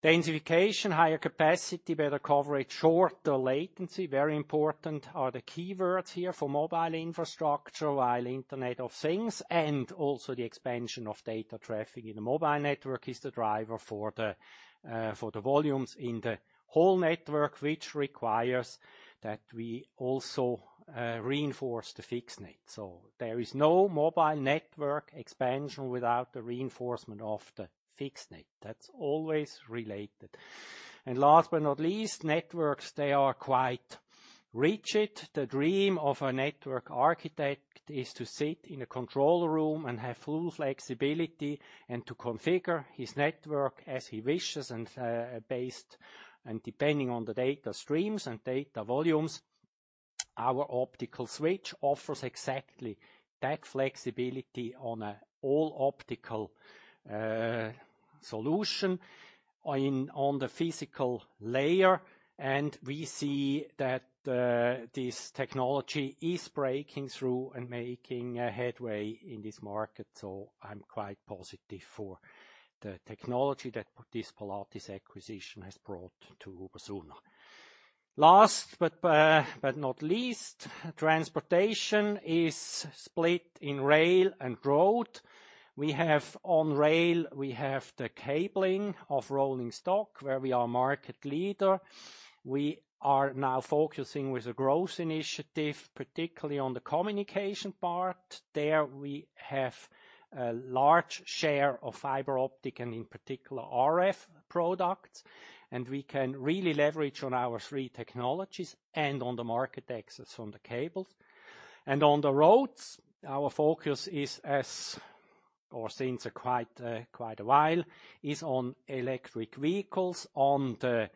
Densification, higher capacity, better coverage, shorter latency, very important, are the keywords here for mobile infrastructure, while Internet of Things and also the expansion of data traffic in the mobile network is the driver for the volumes in the whole network, which requires that we also reinforce the fixed net. There is no mobile network expansion without the reinforcement of the fixed net. That's always related. Last but not least, networks, they are quite rigid. The dream of a network architect is to sit in a control room and have full flexibility and to configure his network as he wishes and based and depending on the data streams and data volumes. Our optical switch offers exactly that flexibility on an all-optical solution on the physical layer. We see that this technology is breaking through and making headway in this market. I'm quite positive for the technology that this Polatis acquisition has brought to HUBER+SUHNER. Last but not least, transportation is split in rail and road. We have. On rail, we have the cabling of rolling stock, where we are market leader. We are now focusing with a growth initiative, particularly on the communication part. There we have a large share of fiber optic and in particular RF products, and we can really leverage on our three technologies and on the market access on the cables. On the roads, our focus is for quite a while on Electric Vehicles, on the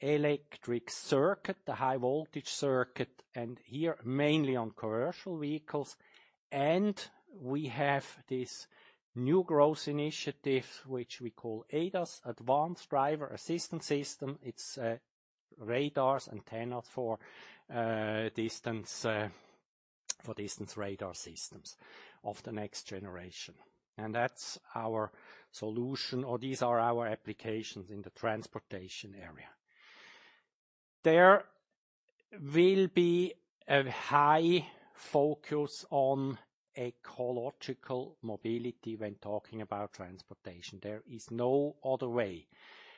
electric circuit, the high voltage circuit, and here mainly on commercial vehicles. We have this new growth initiative, which we call ADAS, Advanced Driver Assistance System. It's radars, antennas for distance radar systems of the next generation. That's our solution, or these are our applications in the transportation area. There will be a high focus on ecological mobility when talking about transportation. There is no other way.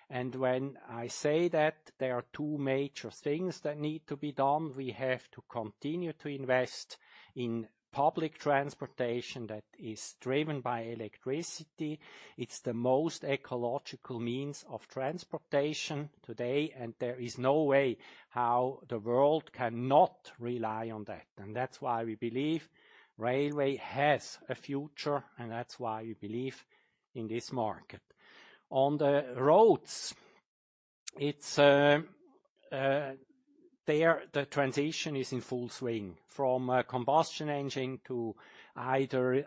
When I say that, there are two major things that need to be done. We have to continue to invest in public transportation that is driven by electricity. It's the most ecological means of transportation today, and there is no way how the world cannot rely on that. That's why we believe railway has a future, and that's why we believe in this market. On the roads, it's there the transition is in full swing from a combustion engine to either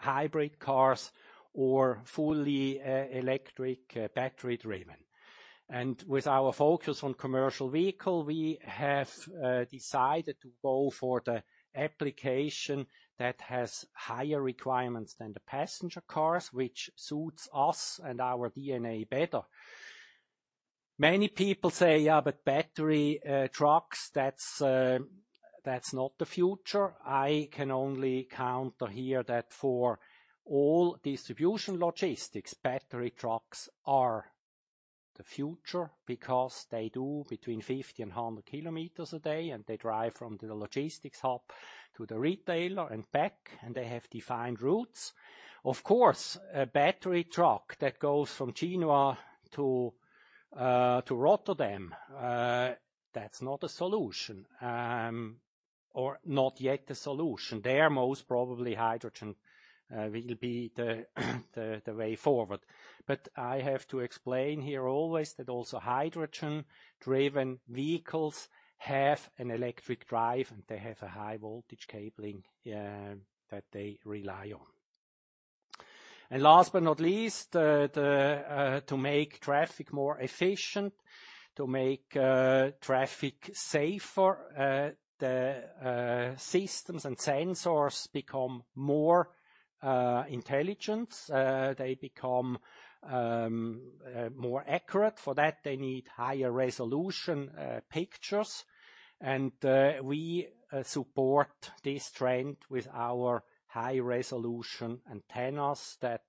hybrid cars or fully electric battery-driven. With our focus on commercial vehicle, we have decided to go for the application that has higher requirements than the passenger cars, which suits us and our DNA better. Many people say, "Yeah, but battery trucks, that's not the future." I can only counter here that for all distribution logistics, battery trucks are the future, because they do between 50 and 100 kilometers a day, and they drive from the logistics hub to the retailer and back, and they have defined routes. Of course, a battery truck that goes from Genoa to Rotterdam, that's not a solution, or not yet the solution. There, most probably hydrogen will be the way forward. I have to explain here always that also hydrogen-driven vehicles have an electric drive, and they have a high voltage cabling that they rely on. Last but not least, to make traffic more efficient, to make traffic safer, the systems and sensors become more intelligent. They become more accurate. For that, they need higher resolution pictures. We support this trend with our high-resolution antennas that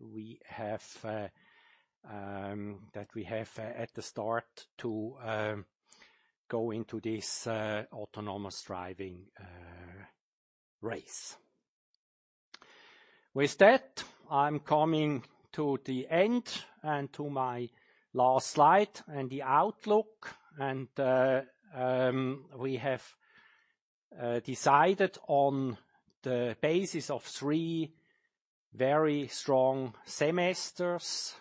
we have at the start to go into this Autonomous Driving race. With that, I'm coming to the end and to my last slide and the outlook. We have decided on the basis of three very strong semesters,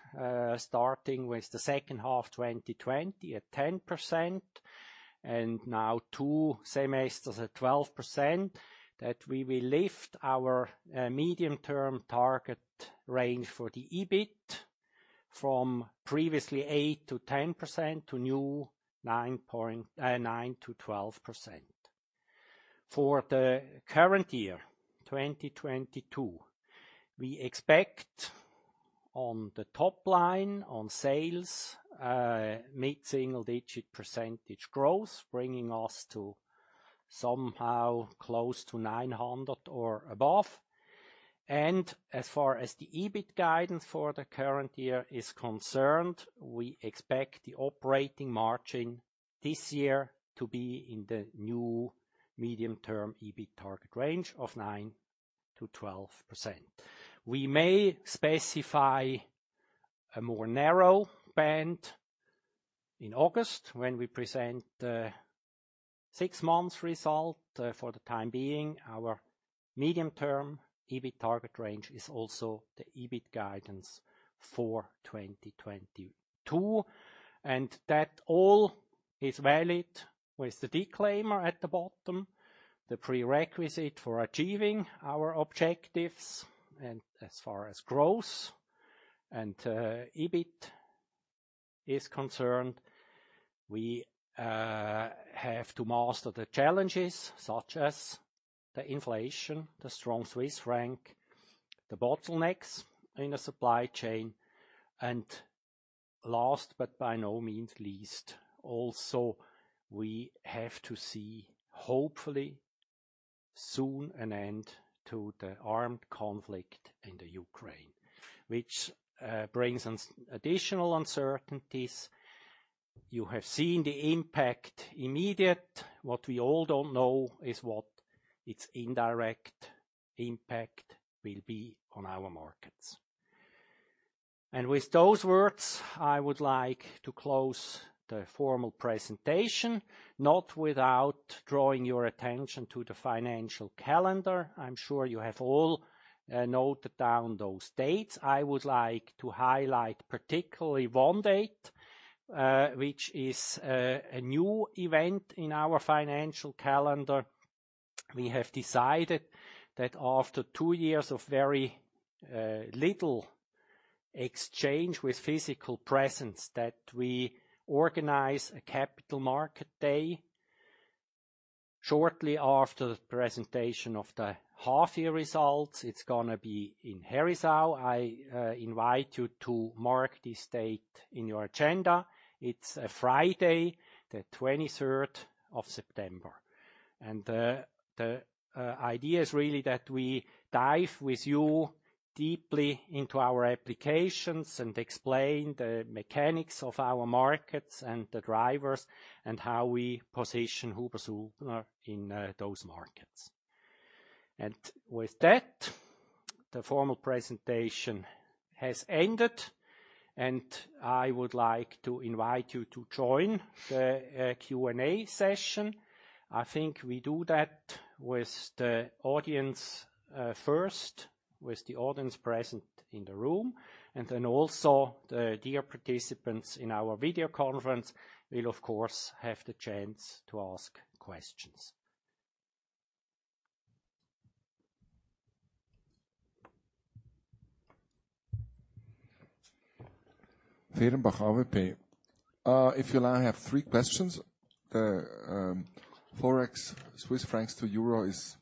starting with the second half 2020 at 10%, and now two semesters at 12%, that we will lift our medium-term target range for the EBIT from previously 8%-10% to new 9%-12%. For the current year, 2022, we expect on the top line on sales mid-single-digit percentage growth, bringing us to somehow close to 900 or above. As far as the EBIT guidance for the current year is concerned, we expect the operating margin this year to be in the new medium-term EBIT target range of 9%-12%. We may specify a more narrow band in August, when we present the six months result. For the time being, our medium-term EBIT target range is also the EBIT guidance for 2022, and that all is valid with the disclaimer at the bottom. The prerequisite for achieving our objectives and as far as growth and EBIT is concerned, we have to master the challenges such as the inflation, the strong Swiss franc, the bottlenecks in the supply chain. Last but by no means least, also we have to see, hopefully, soon an end to the armed conflict in Ukraine, which brings us additional uncertainties. You have seen the immediate impact. What we all don't know is what its indirect impact will be on our markets. With those words, I would like to close the formal presentation, not without drawing your attention to the financial calendar. I'm sure you have all noted down those dates. I would like to highlight particularly one date, which is a new event in our financial calendar. We have decided that after two years of very little exchange with physical presence, that we organize a capital market day shortly after the presentation of the half-year results. It's gonna be in Herisau. I invite you to mark this date in your agenda. It's a Friday, the 23rd of September. The idea is really that we dive with you deeply into our applications and explain the mechanics of our markets and the drivers, and how we position HUBER+SUHNER in those markets. With that, the formal presentation has ended, and I would like to invite you to join the Q&A session. I think we do that with the audience, first, with the audience present in the room, and then also the dear participants in our video conference will, of course, have the chance to ask questions. Verena Bach, AWP. If you allow, I have three questions. Forex Swiss francs to euro is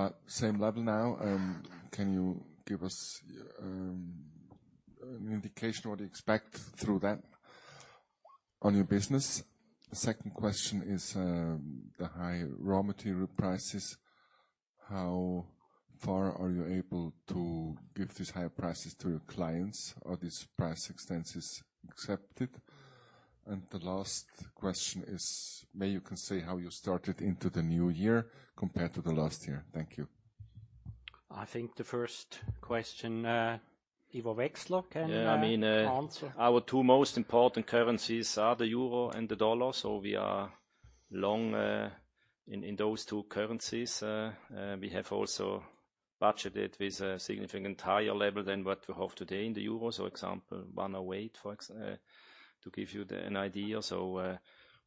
about the same level now. Can you give us an indication what you expect through that? On your business. Second question is, the high raw material prices, how far are you able to give these high prices to your clients? Are these price increases accepted? The last question is, maybe you can say how you started into the new year compared to the last year. Thank you. I think the first question, Ivo Wechsler can Yeah. I mean, -answer. Our two most important currencies are the euro and the dollar, so we are long in those two currencies. We have also budgeted with a significant higher level than what we have today in the euro. Example, 1.08, to give you an idea.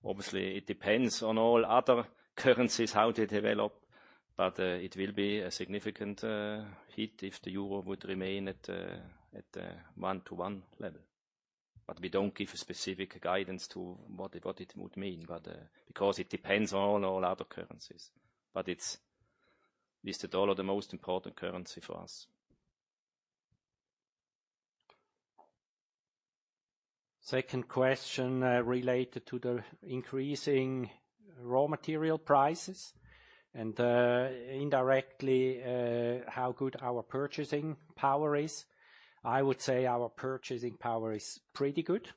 Obviously, it depends on all other currencies, how they develop, but it will be a significant hit if the euro would remain at one-to-one level. We don't give a specific guidance to what it would mean, but because it depends on all other currencies. It's with the dollar, the most important currency for us. Second question, related to the increasing raw material prices and, indirectly, how good our purchasing power is. I would say our purchasing power is pretty good.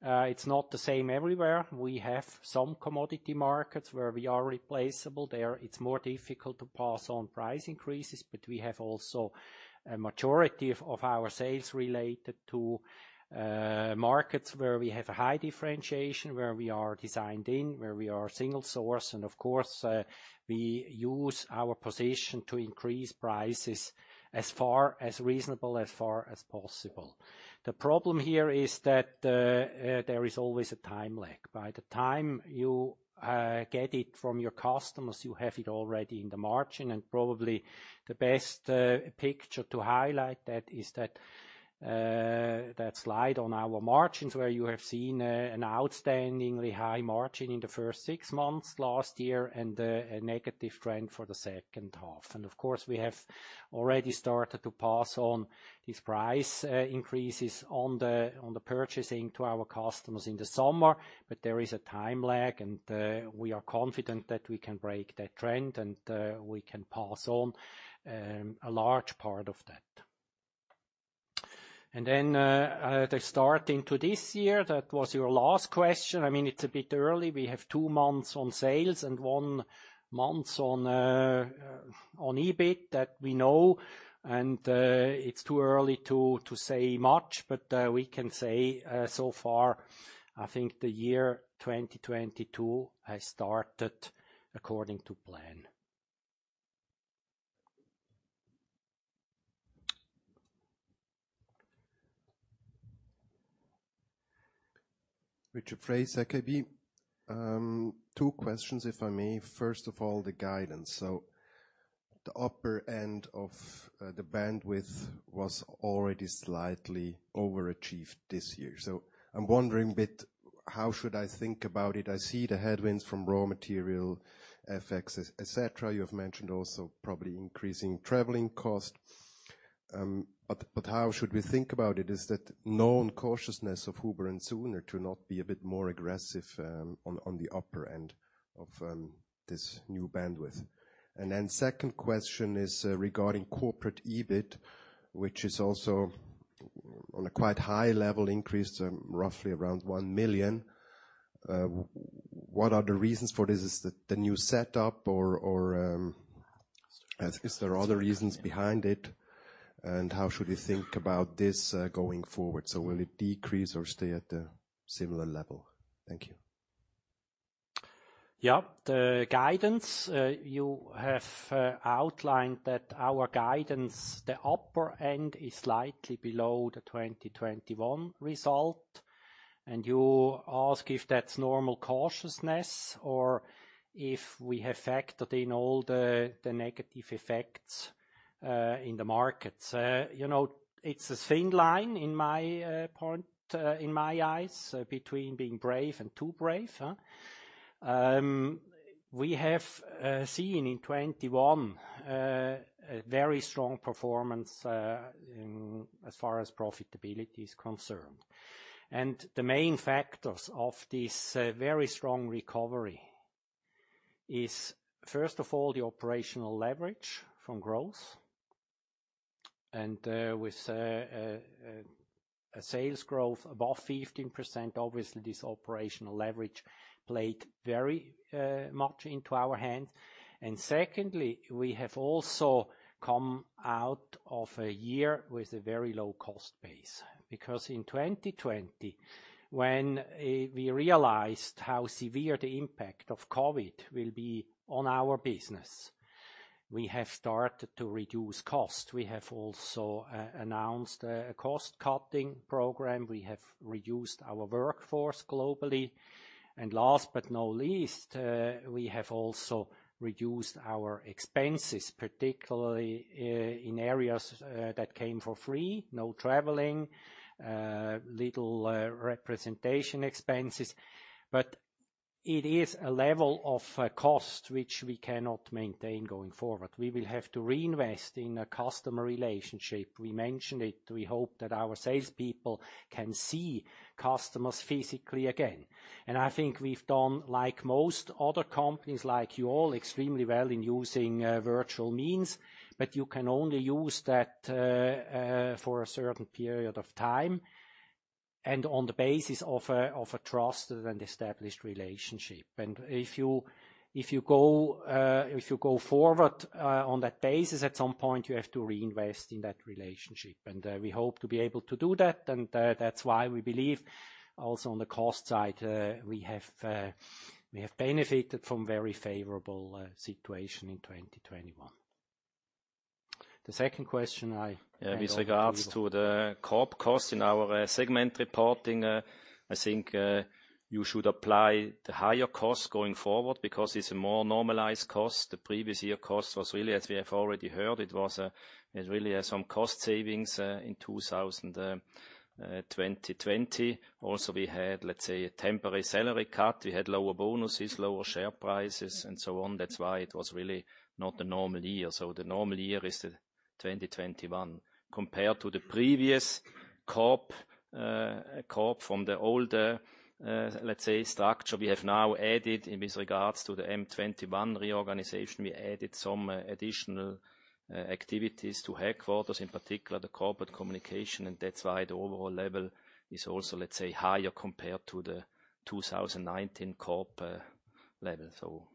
It's not the same everywhere. We have some commodity markets where we are replaceable there. It's more difficult to pass on price increases, but we have also a majority of our sales related to markets where we have a high differentiation, where we are designed in, where we are single source. Of course, we use our position to increase prices as far as reasonable, as far as possible. The problem here is that there is always a time lag. By the time you get it from your customers, you have it already in the margin. Probably the best picture to highlight that is that slide on our margins, where you have seen an outstandingly high margin in the first six months last year and a negative trend for the second half. Of course, we have already started to pass on these price increases on the purchasing to our customers in the summer. There is a time lag, and we are confident that we can break that trend, and we can pass on a large part of that. Then the start into this year, that was your last question. I mean, it's a bit early. We have two months on sales and one months on EBIT that we know. It's too early to say much, but we can say so far, I think the year 2022 has started according to plan. Richard Fraisse, ZKB. Two questions, if I may. First of all, the guidance. The upper end of the bandwidth was already slightly overachieved this year. I'm wondering a bit, how should I think about it? I see the headwinds from raw material, FX, et cetera. You have mentioned also probably increasing traveling cost. But how should we think about it? Is that known cautiousness of HUBER+SUHNER to not be a bit more aggressive on the upper end of this new bandwidth? Second question is regarding corporate EBIT, which is also on a quite high level increase, roughly around 1 million. What are the reasons for this? Is it the new setup or is there other reasons behind it? And how should we think about this going forward? Will it decrease or stay at a similar level? Thank you. Yeah. The guidance you have outlined that our guidance, the upper end is slightly below the 2021 result. You ask if that's normal cautiousness or if we have factored in all the negative effects in the markets. You know, it's a thin line in my point in my eyes between being brave and too brave. We have seen in 2021 a very strong performance in as far as profitability is concerned. The main factors of this very strong recovery is, first of all, the operational leverage from growth. With a sales growth above 15%, obviously this operational leverage played very much into our hands. Secondly, we have also come out of a year with a very low cost base. Because in 2020, when we realized how severe the impact of COVID will be on our business, we have started to reduce cost. We have also announced a cost-cutting program. We have reduced our workforce globally. Last but not least, we have also reduced our expenses, particularly in areas that came for free. No traveling, little representation expenses. It is a level of cost which we cannot maintain going forward. We will have to reinvest in a customer relationship. We mentioned it, we hope that our salespeople can see customers physically again. I think we've done, like most other companies like you all, extremely well in using virtual means, but you can only use that for a certain period of time, and on the basis of a trusted and established relationship. If you go forward on that basis, at some point, you have to reinvest in that relationship. We hope to be able to do that, and that's why we believe also on the cost side, we have benefited from very favorable situation in 2021. The second question I hand over to you. With regards to the corporate cost in our segment reporting, I think you should apply the higher cost going forward because it's a more normalized cost. The previous year cost was really as we have already heard, it really has some cost savings in 2020. Also we had, let's say, a temporary salary cut. We had lower bonuses, lower share prices and so on. That's why it was really not a normal year. The normal year is the 2021. Compared to the previous corporate from the older, let's say structure, we have now added in these regards to the M21 reorganization. We added some additional activities to headquarters, in particular the corporate communication. That's why the overall level is also, let's say, higher compared to the 2019 corp level.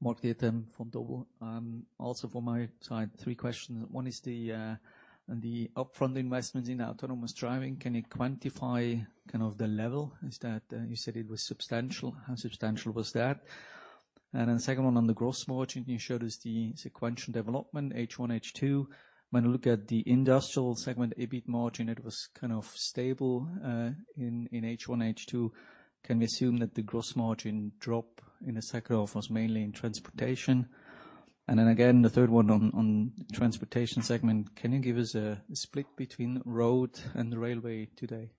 Mark Diethelm from Vontobel. Also from my side, three questions. One is on the upfront investment in Autonomous Driving, can you quantify kind of the level? Is that you said it was substantial. How substantial was that? Then the second one on the gross margin, you showed us the sequential development, H1, H2. When we look at the industrial segment, EBIT margin, it was kind of stable in H1, H2. Can we assume that the gross margin drop in the second half was mainly in transportation? Then again, the third one on transportation segment, can you give us a split between road and railway today?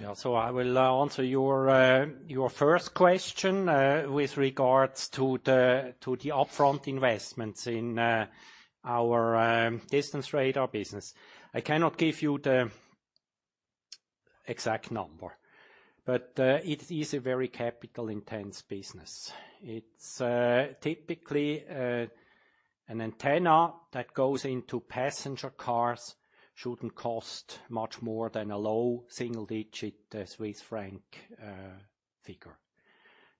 I will answer your first question with regards to the upfront investments in our distance radar business. I cannot give you the exact number, but it is a very capital-intensive business. It's typically an antenna that goes into passenger cars. Shouldn't cost much more than a low single-digit Swiss franc figure.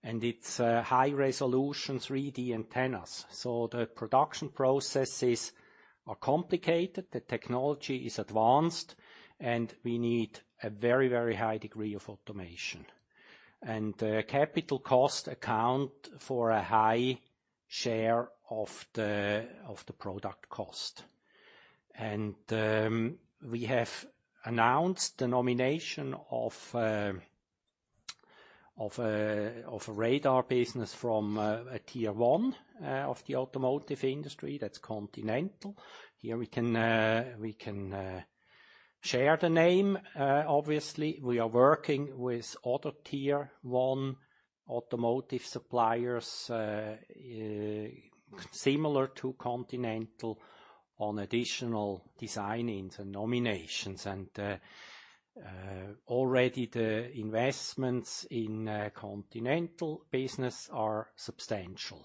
It's high-resolution 3D antennas. The production processes are complicated, the technology is advanced, and we need a very, very high degree of automation. Capital costs account for a high share of the product cost. We have announced the nomination of a radar business from a tier one of the automotive industry, that's Continental. Here we can share the name. Obviously, we are working with other tier-one automotive suppliers similar to Continental on additional design-ins and nominations. Already the investments in Continental business are substantial.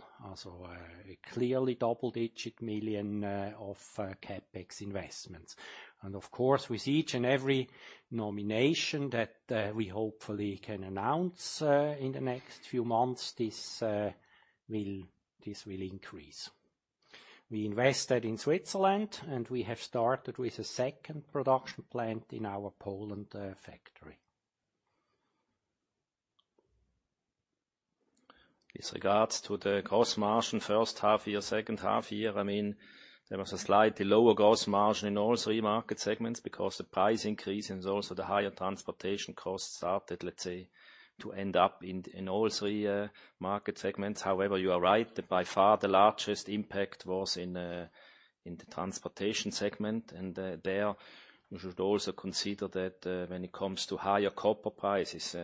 Clearly CHF double-digit million of CapEx investments. Of course, with each and every nomination that we hopefully can announce in the next few months, this will increase. We invested in Switzerland, and we have started with a second production plant in our Poland factory. With regards to the gross margin, first half year, second half year, I mean, there was a slightly lower gross margin in all three market segments because the price increase and also the higher transportation costs started, let's say, to end up in all three market segments. However, you are right. By far the largest impact was in the transportation segment. There we should also consider that when it comes to higher copper prices,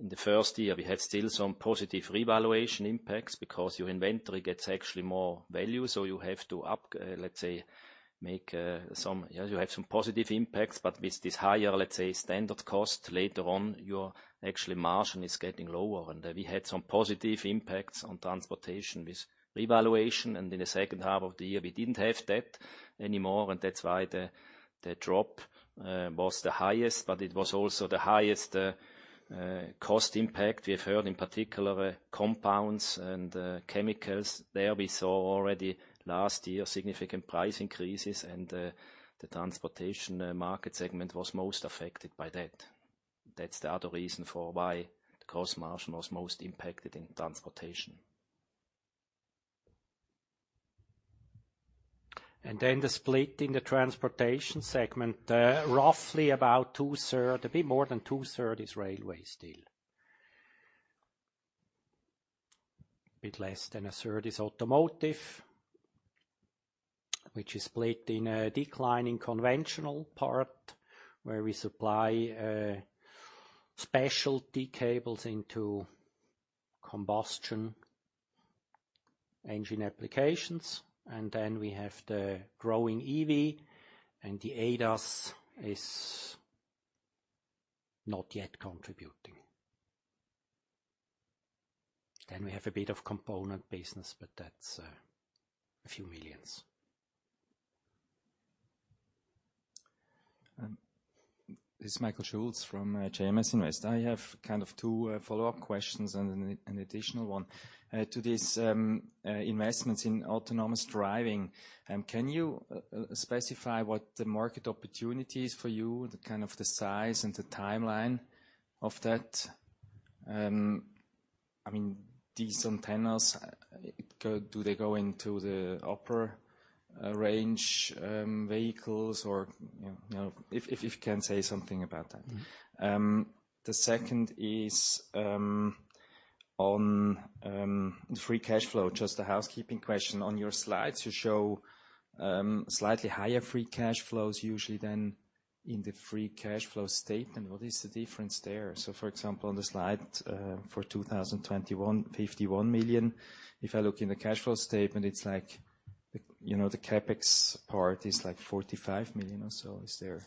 in the first year, we had still some positive revaluation impacts because your inventory gets actually more value, so you have some positive impacts, but with this higher, let's say, standard cost, later on, your actual margin is getting lower. We had some positive impacts on transportation with revaluation, and in the second half of the year, we didn't have that anymore. That's why the drop was the highest, but it was also the highest cost impact. We have had in particular compounds and chemicals. There we saw already last year significant price increases and the transportation market segment was most affected by that. That's the other reason for why the gross margin was most impacted in transportation. The split in the transportation segment, roughly about 2/3, a bit more than 2/3 is railway still. A bit less than 1/3 is automotive, which is split in a declining conventional part, where we supply specialty cables into combustion engine applications. We have the growing EV, and the ADAS is not yet contributing. We have a bit of component business, but that's a few million CHF. This is Michael Schulz from JMS Invest. I have kind of two follow-up questions and an additional one. To this investments in Autonomous Driving, can you specify what the market opportunity is for you, the kind of the size and the timeline of that? I mean, these antennas do they go into the upper range vehicles or, you know, if you can say something about that. The second is on free cash flow, just a housekeeping question. On your slides, you show slightly higher free cash flows usually than in the free cash flow statement. What is the difference there? For example, on the slide, for 2021, 51 million, if I look in the cash flow statement, it's like, you know, the CapEx part is like 45 million or so. Is there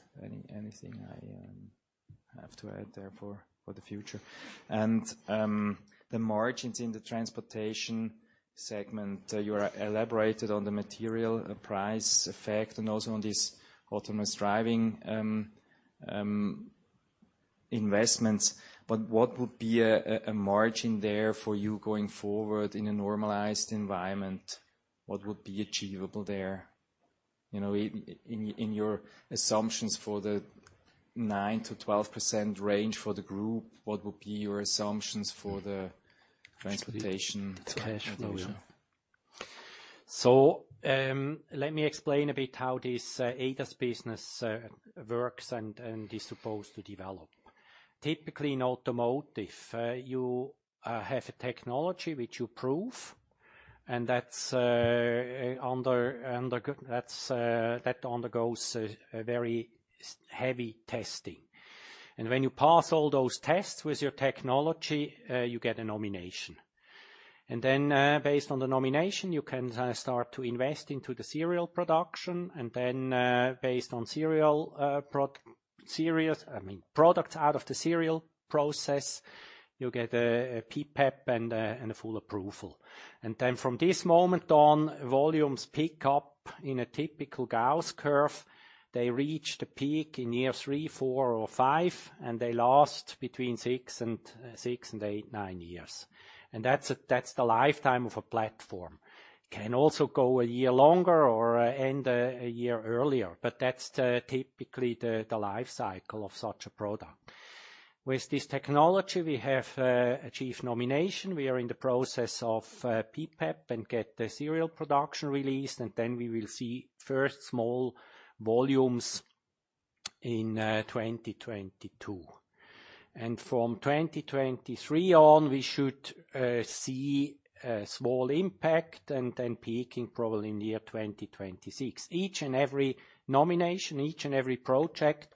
anything I have to add there for the future? The margins in the transportation segment, you elaborated on the material price effect and also on this Autonomous Driving investments. But what would be a margin there for you going forward in a normalized environment? What would be achievable there? You know, in your assumptions for the 9%-12% range for the group, what would be your assumptions for the transportation- It's cash flow, yeah. Let me explain a bit how this ADAS business works and is supposed to develop. Typically in automotive, you have a technology which you prove, and that undergoes a very heavy testing. When you pass all those tests with your technology, you get a nomination. Then, based on the nomination, you can start to invest into the serial production. Then, based on serial production, serial, I mean, product out of the serial process, you'll get a PPAP and a full approval. Then from this moment on, volumes pick up in a typical Gauss curve. They reach the peak in year three, four or five, and they last between six and eight to nine years. That's the lifetime of a platform. It can also go a year longer or end a year earlier, but that's typically the life cycle of such a product. With this technology, we have achieved nomination. We are in the process of PPAP and get the serial production released, and then we will see first small volumes in 2022. From 2023 on, we should see a small impact and then peaking probably in the year 2026. Each and every nomination, each and every project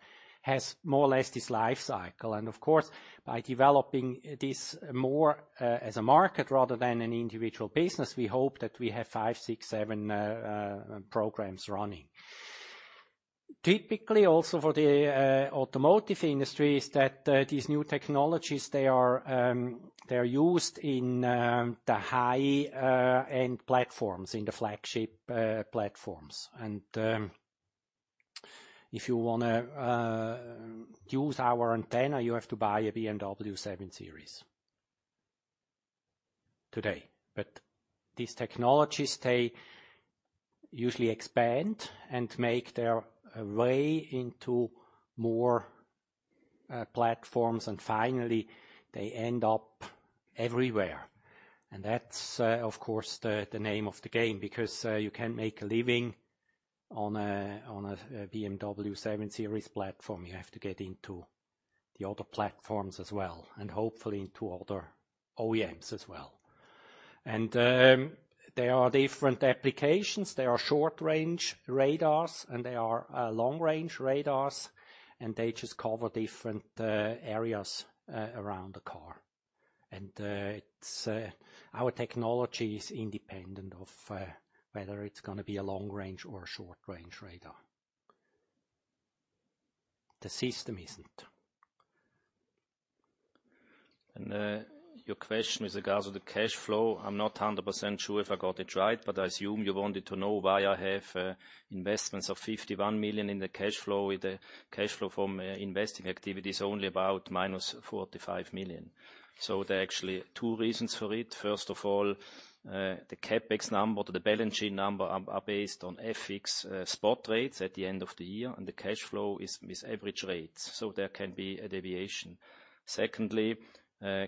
has more or less this life cycle. Of course, by developing this more as a market rather than an individual business, we hope that we have five, six, seven programs running. Typically, also for the automotive industry, is that these new technologies they're used in the high-end platforms, in the flagship platforms. If you wanna use our antenna, you have to buy a BMW 7 Series today. These technologies usually expand and make their way into more platforms, and finally, they end up everywhere. That's of course the name of the game, because you can't make a living on a BMW 7 Series platform. You have to get into the other platforms as well, and hopefully into other OEMs as well. There are different applications. There are short-range radars, and there are long-range radars, and they just cover different areas around the car. It's our technology is independent of whether it's gonna be a long-range or a short-range radar. The system isn't. Your question with regards to the cash flow, I'm not 100% sure if I got it right, but I assume you wanted to know why I have investments of 51 million in the cash flow, with the cash flow from investing activities only about -45 million. There are actually two reasons for it. First of all, the CapEx number, the balance sheet number are based on FX spot rates at the end of the year, and the cash flow is with average rates. There can be a deviation. Secondly,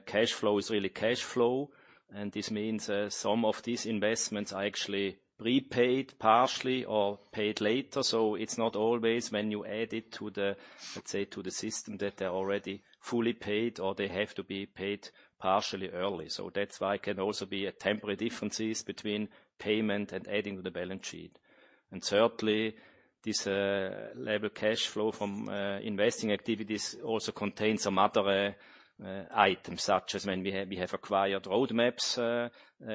cash flow is really cash flow, and this means some of these investments are actually prepaid partially or paid later. It's not always when you add it to the, let's say, to the system that they're already fully paid or they have to be paid partially early. That's why it can also be a temporary differences between payment and adding to the balance sheet. Thirdly, this level cash flow from investing activities also contains some other items, such as when we have acquired roadmaps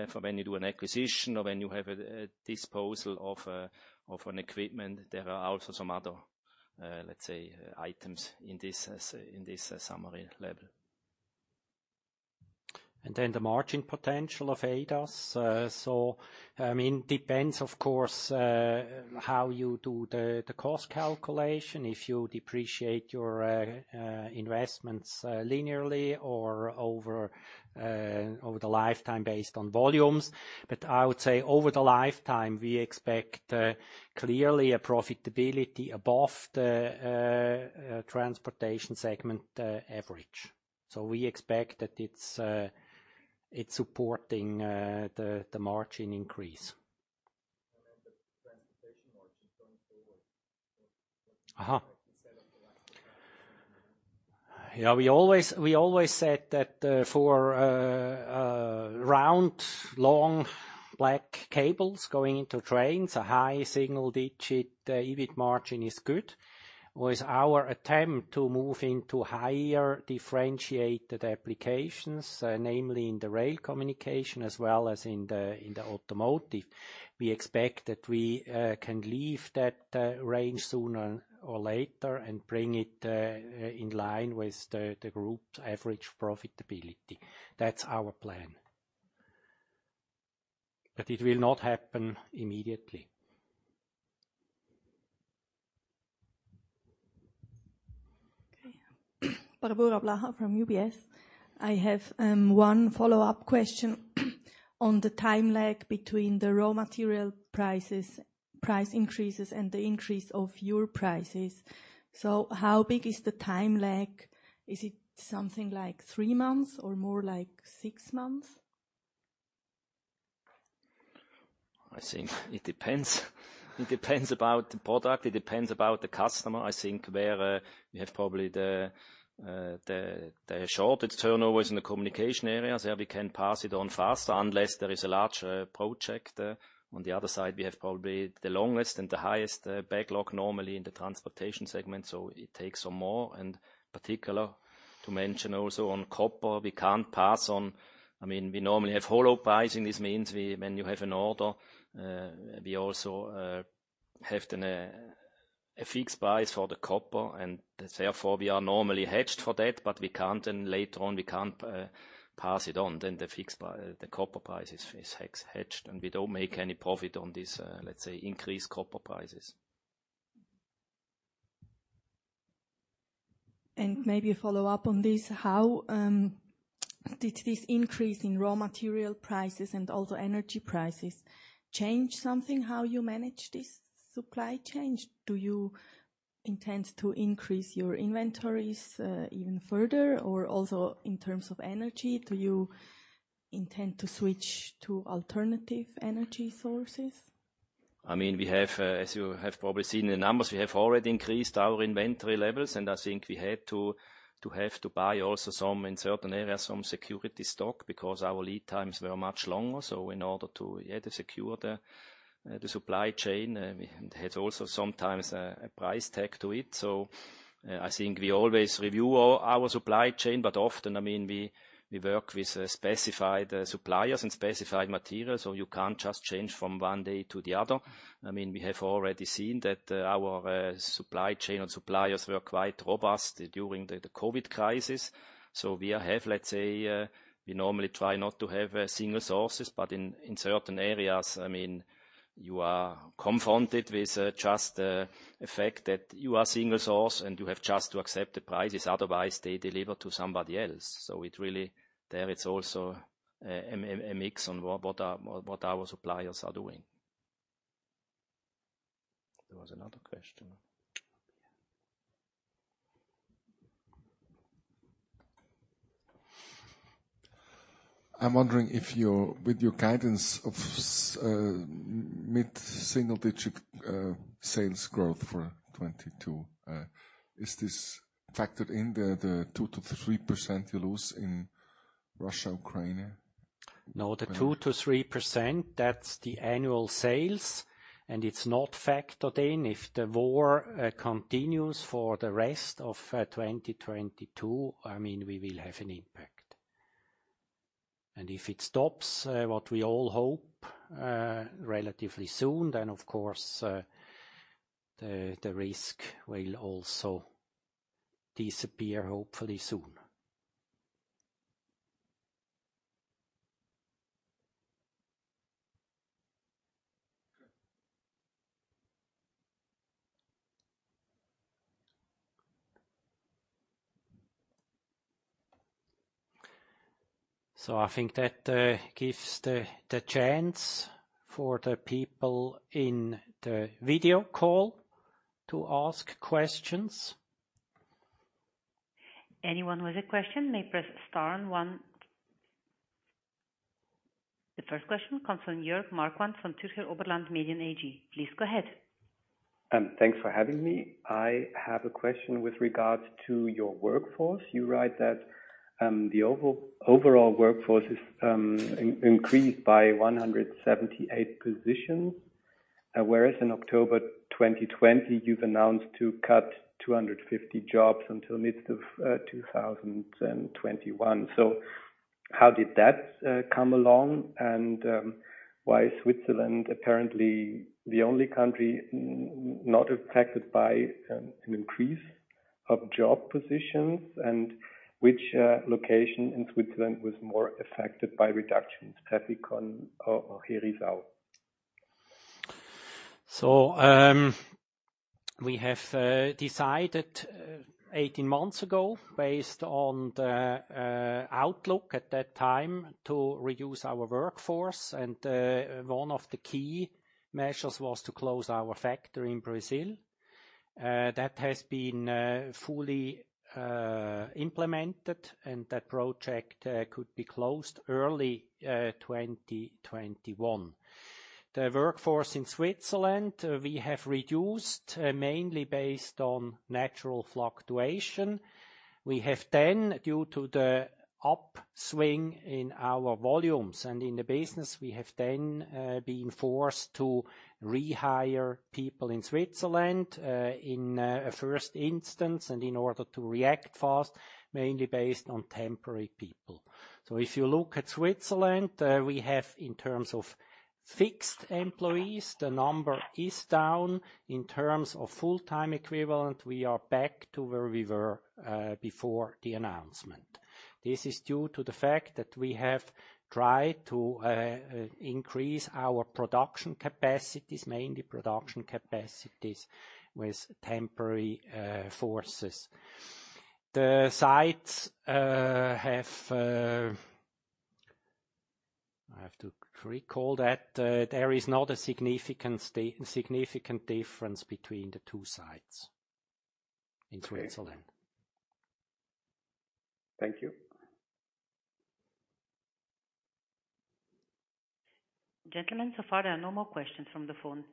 for when you do an acquisition or when you have a disposal of an equipment. There are also some other, let's say, items in this summary level. The margin potential of ADAS, I mean, depends of course how you do the cost calculation. If you depreciate your investments linearly or over the lifetime based on volumes. I would say over the lifetime, we expect clearly a profitability above the transportation segment average. We expect that it's supporting the margin increase. The transportation margin going forward, what Yeah, we always said that for round, long black cables going into trains, a high-single-digit EBIT margin is good. With our attempt to move into higher differentiated applications, namely in the Rail Communication as well as in the automotive, we expect that we can leave that range sooner or later and bring it in line with the group's average profitability. That's our plan. It will not happen immediately. Okay. Barbora Blaha from UBS. I have one follow-up question on the time lag between the raw material price increases and the increase of your prices. How big is the time lag? Is it something like three months or more like six months? I think it depends. It depends about the product, it depends about the customer. I think where we have probably the shortest turnover is in the communication area, so we can pass it on faster unless there is a large project. On the other side, we have probably the longest and the highest backlog normally in the transportation segment, so it takes some more. Particularly to mention also on copper, we can't pass on. I mean, we normally have hedged pricing. This means when you have an order, we also have then a fixed price for the copper and therefore we are normally hedged for that, but we can't pass it on later. The copper price is hedged, and we don't make any profit on this, let's say, increased copper prices. Maybe a follow-up on this. How did this increase in raw material prices and also energy prices change something how you manage this supply chain? Do you intend to increase your inventories, even further? Or also in terms of energy, do you intend to switch to alternative energy sources? I mean, we have, as you have probably seen the numbers, we have already increased our inventory levels, and I think we had to buy also some in certain areas some security stock because our lead times were much longer. In order to secure the supply chain, it has also sometimes a price tag to it. I think we always review our supply chain, but often, I mean, we work with specified suppliers and specified materials, so you can't just change from one day to the other. I mean, we have already seen that, our supply chain and suppliers were quite robust during the COVID crisis. We have, let's say, we normally try not to have single sources, but in certain areas, I mean, you are confronted with just a fact that you are single source and you have just to accept the prices, otherwise they deliver to somebody else. It really, there it's also a mix on what our suppliers are doing. There was another question. Up here. I'm wondering if your guidance of mid single digit sales growth for 2022 is this factored in the 2%-3% you lose in Russia and Ukraine? No, the 2%-3%, that's the annual sales, and it's not factored in. If the war continues for the rest of 2022, I mean, we will have an impact. If it stops, what we all hope, relatively soon, then of course, the risk will also disappear hopefully soon. Okay. I think that gives the chance for the people in the video call to ask questions. The first question comes from Jörg Marquardt from Zürcher Oberland Medien AG. Please go ahead. Thanks for having me. I have a question with regards to your workforce. You write that the overall workforce is increased by 178 positions, whereas in October 2020, you've announced to cut 250 jobs until mid of 2021. How did that come along? And why is Switzerland apparently the only country not affected by an increase of job positions and which location in Switzerland was more affected by reductions, Pfäffikon or Herisau? We have decided 18 months ago, based on the outlook at that time, to reduce our workforce. One of the key measures was to close our factory in Brazil. That has been fully implemented, and that project could be closed early 2021. The workforce in Switzerland we have reduced mainly based on natural fluctuation. We have then, due to the upswing in our volumes and in the business, been forced to rehire people in Switzerland in a first instance and in order to react fast, mainly based on temporary people. If you look at Switzerland, we have, in terms of fixed employees, the number is down. In terms of full-time equivalent, we are back to where we were before the announcement. This is due to the fact that we have tried to increase our production capacities, mainly production capacities, with temporary forces. The sites have. I have to recall that there is not a significant difference between the two sites in Switzerland. Thank you. Gentlemen, so far there are no more questions from the phone.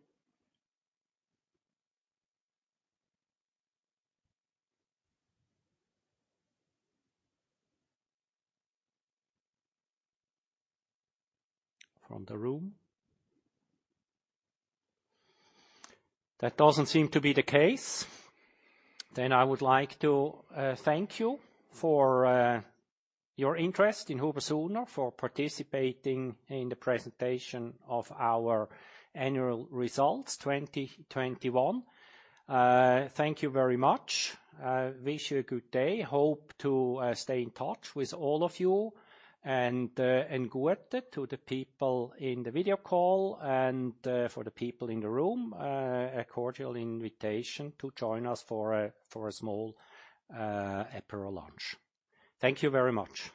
From the room? That doesn't seem to be the case. I would like to thank you for your interest in HUBER+SUHNER, for participating in the presentation of our annual results 2021. Thank you very much. Wish you a good day. Hope to stay in touch with all of you. Auf Deutsch to the people in the video call, and for the people in the room, a cordial invitation to join us for a small apéro lunch. Thank you very much.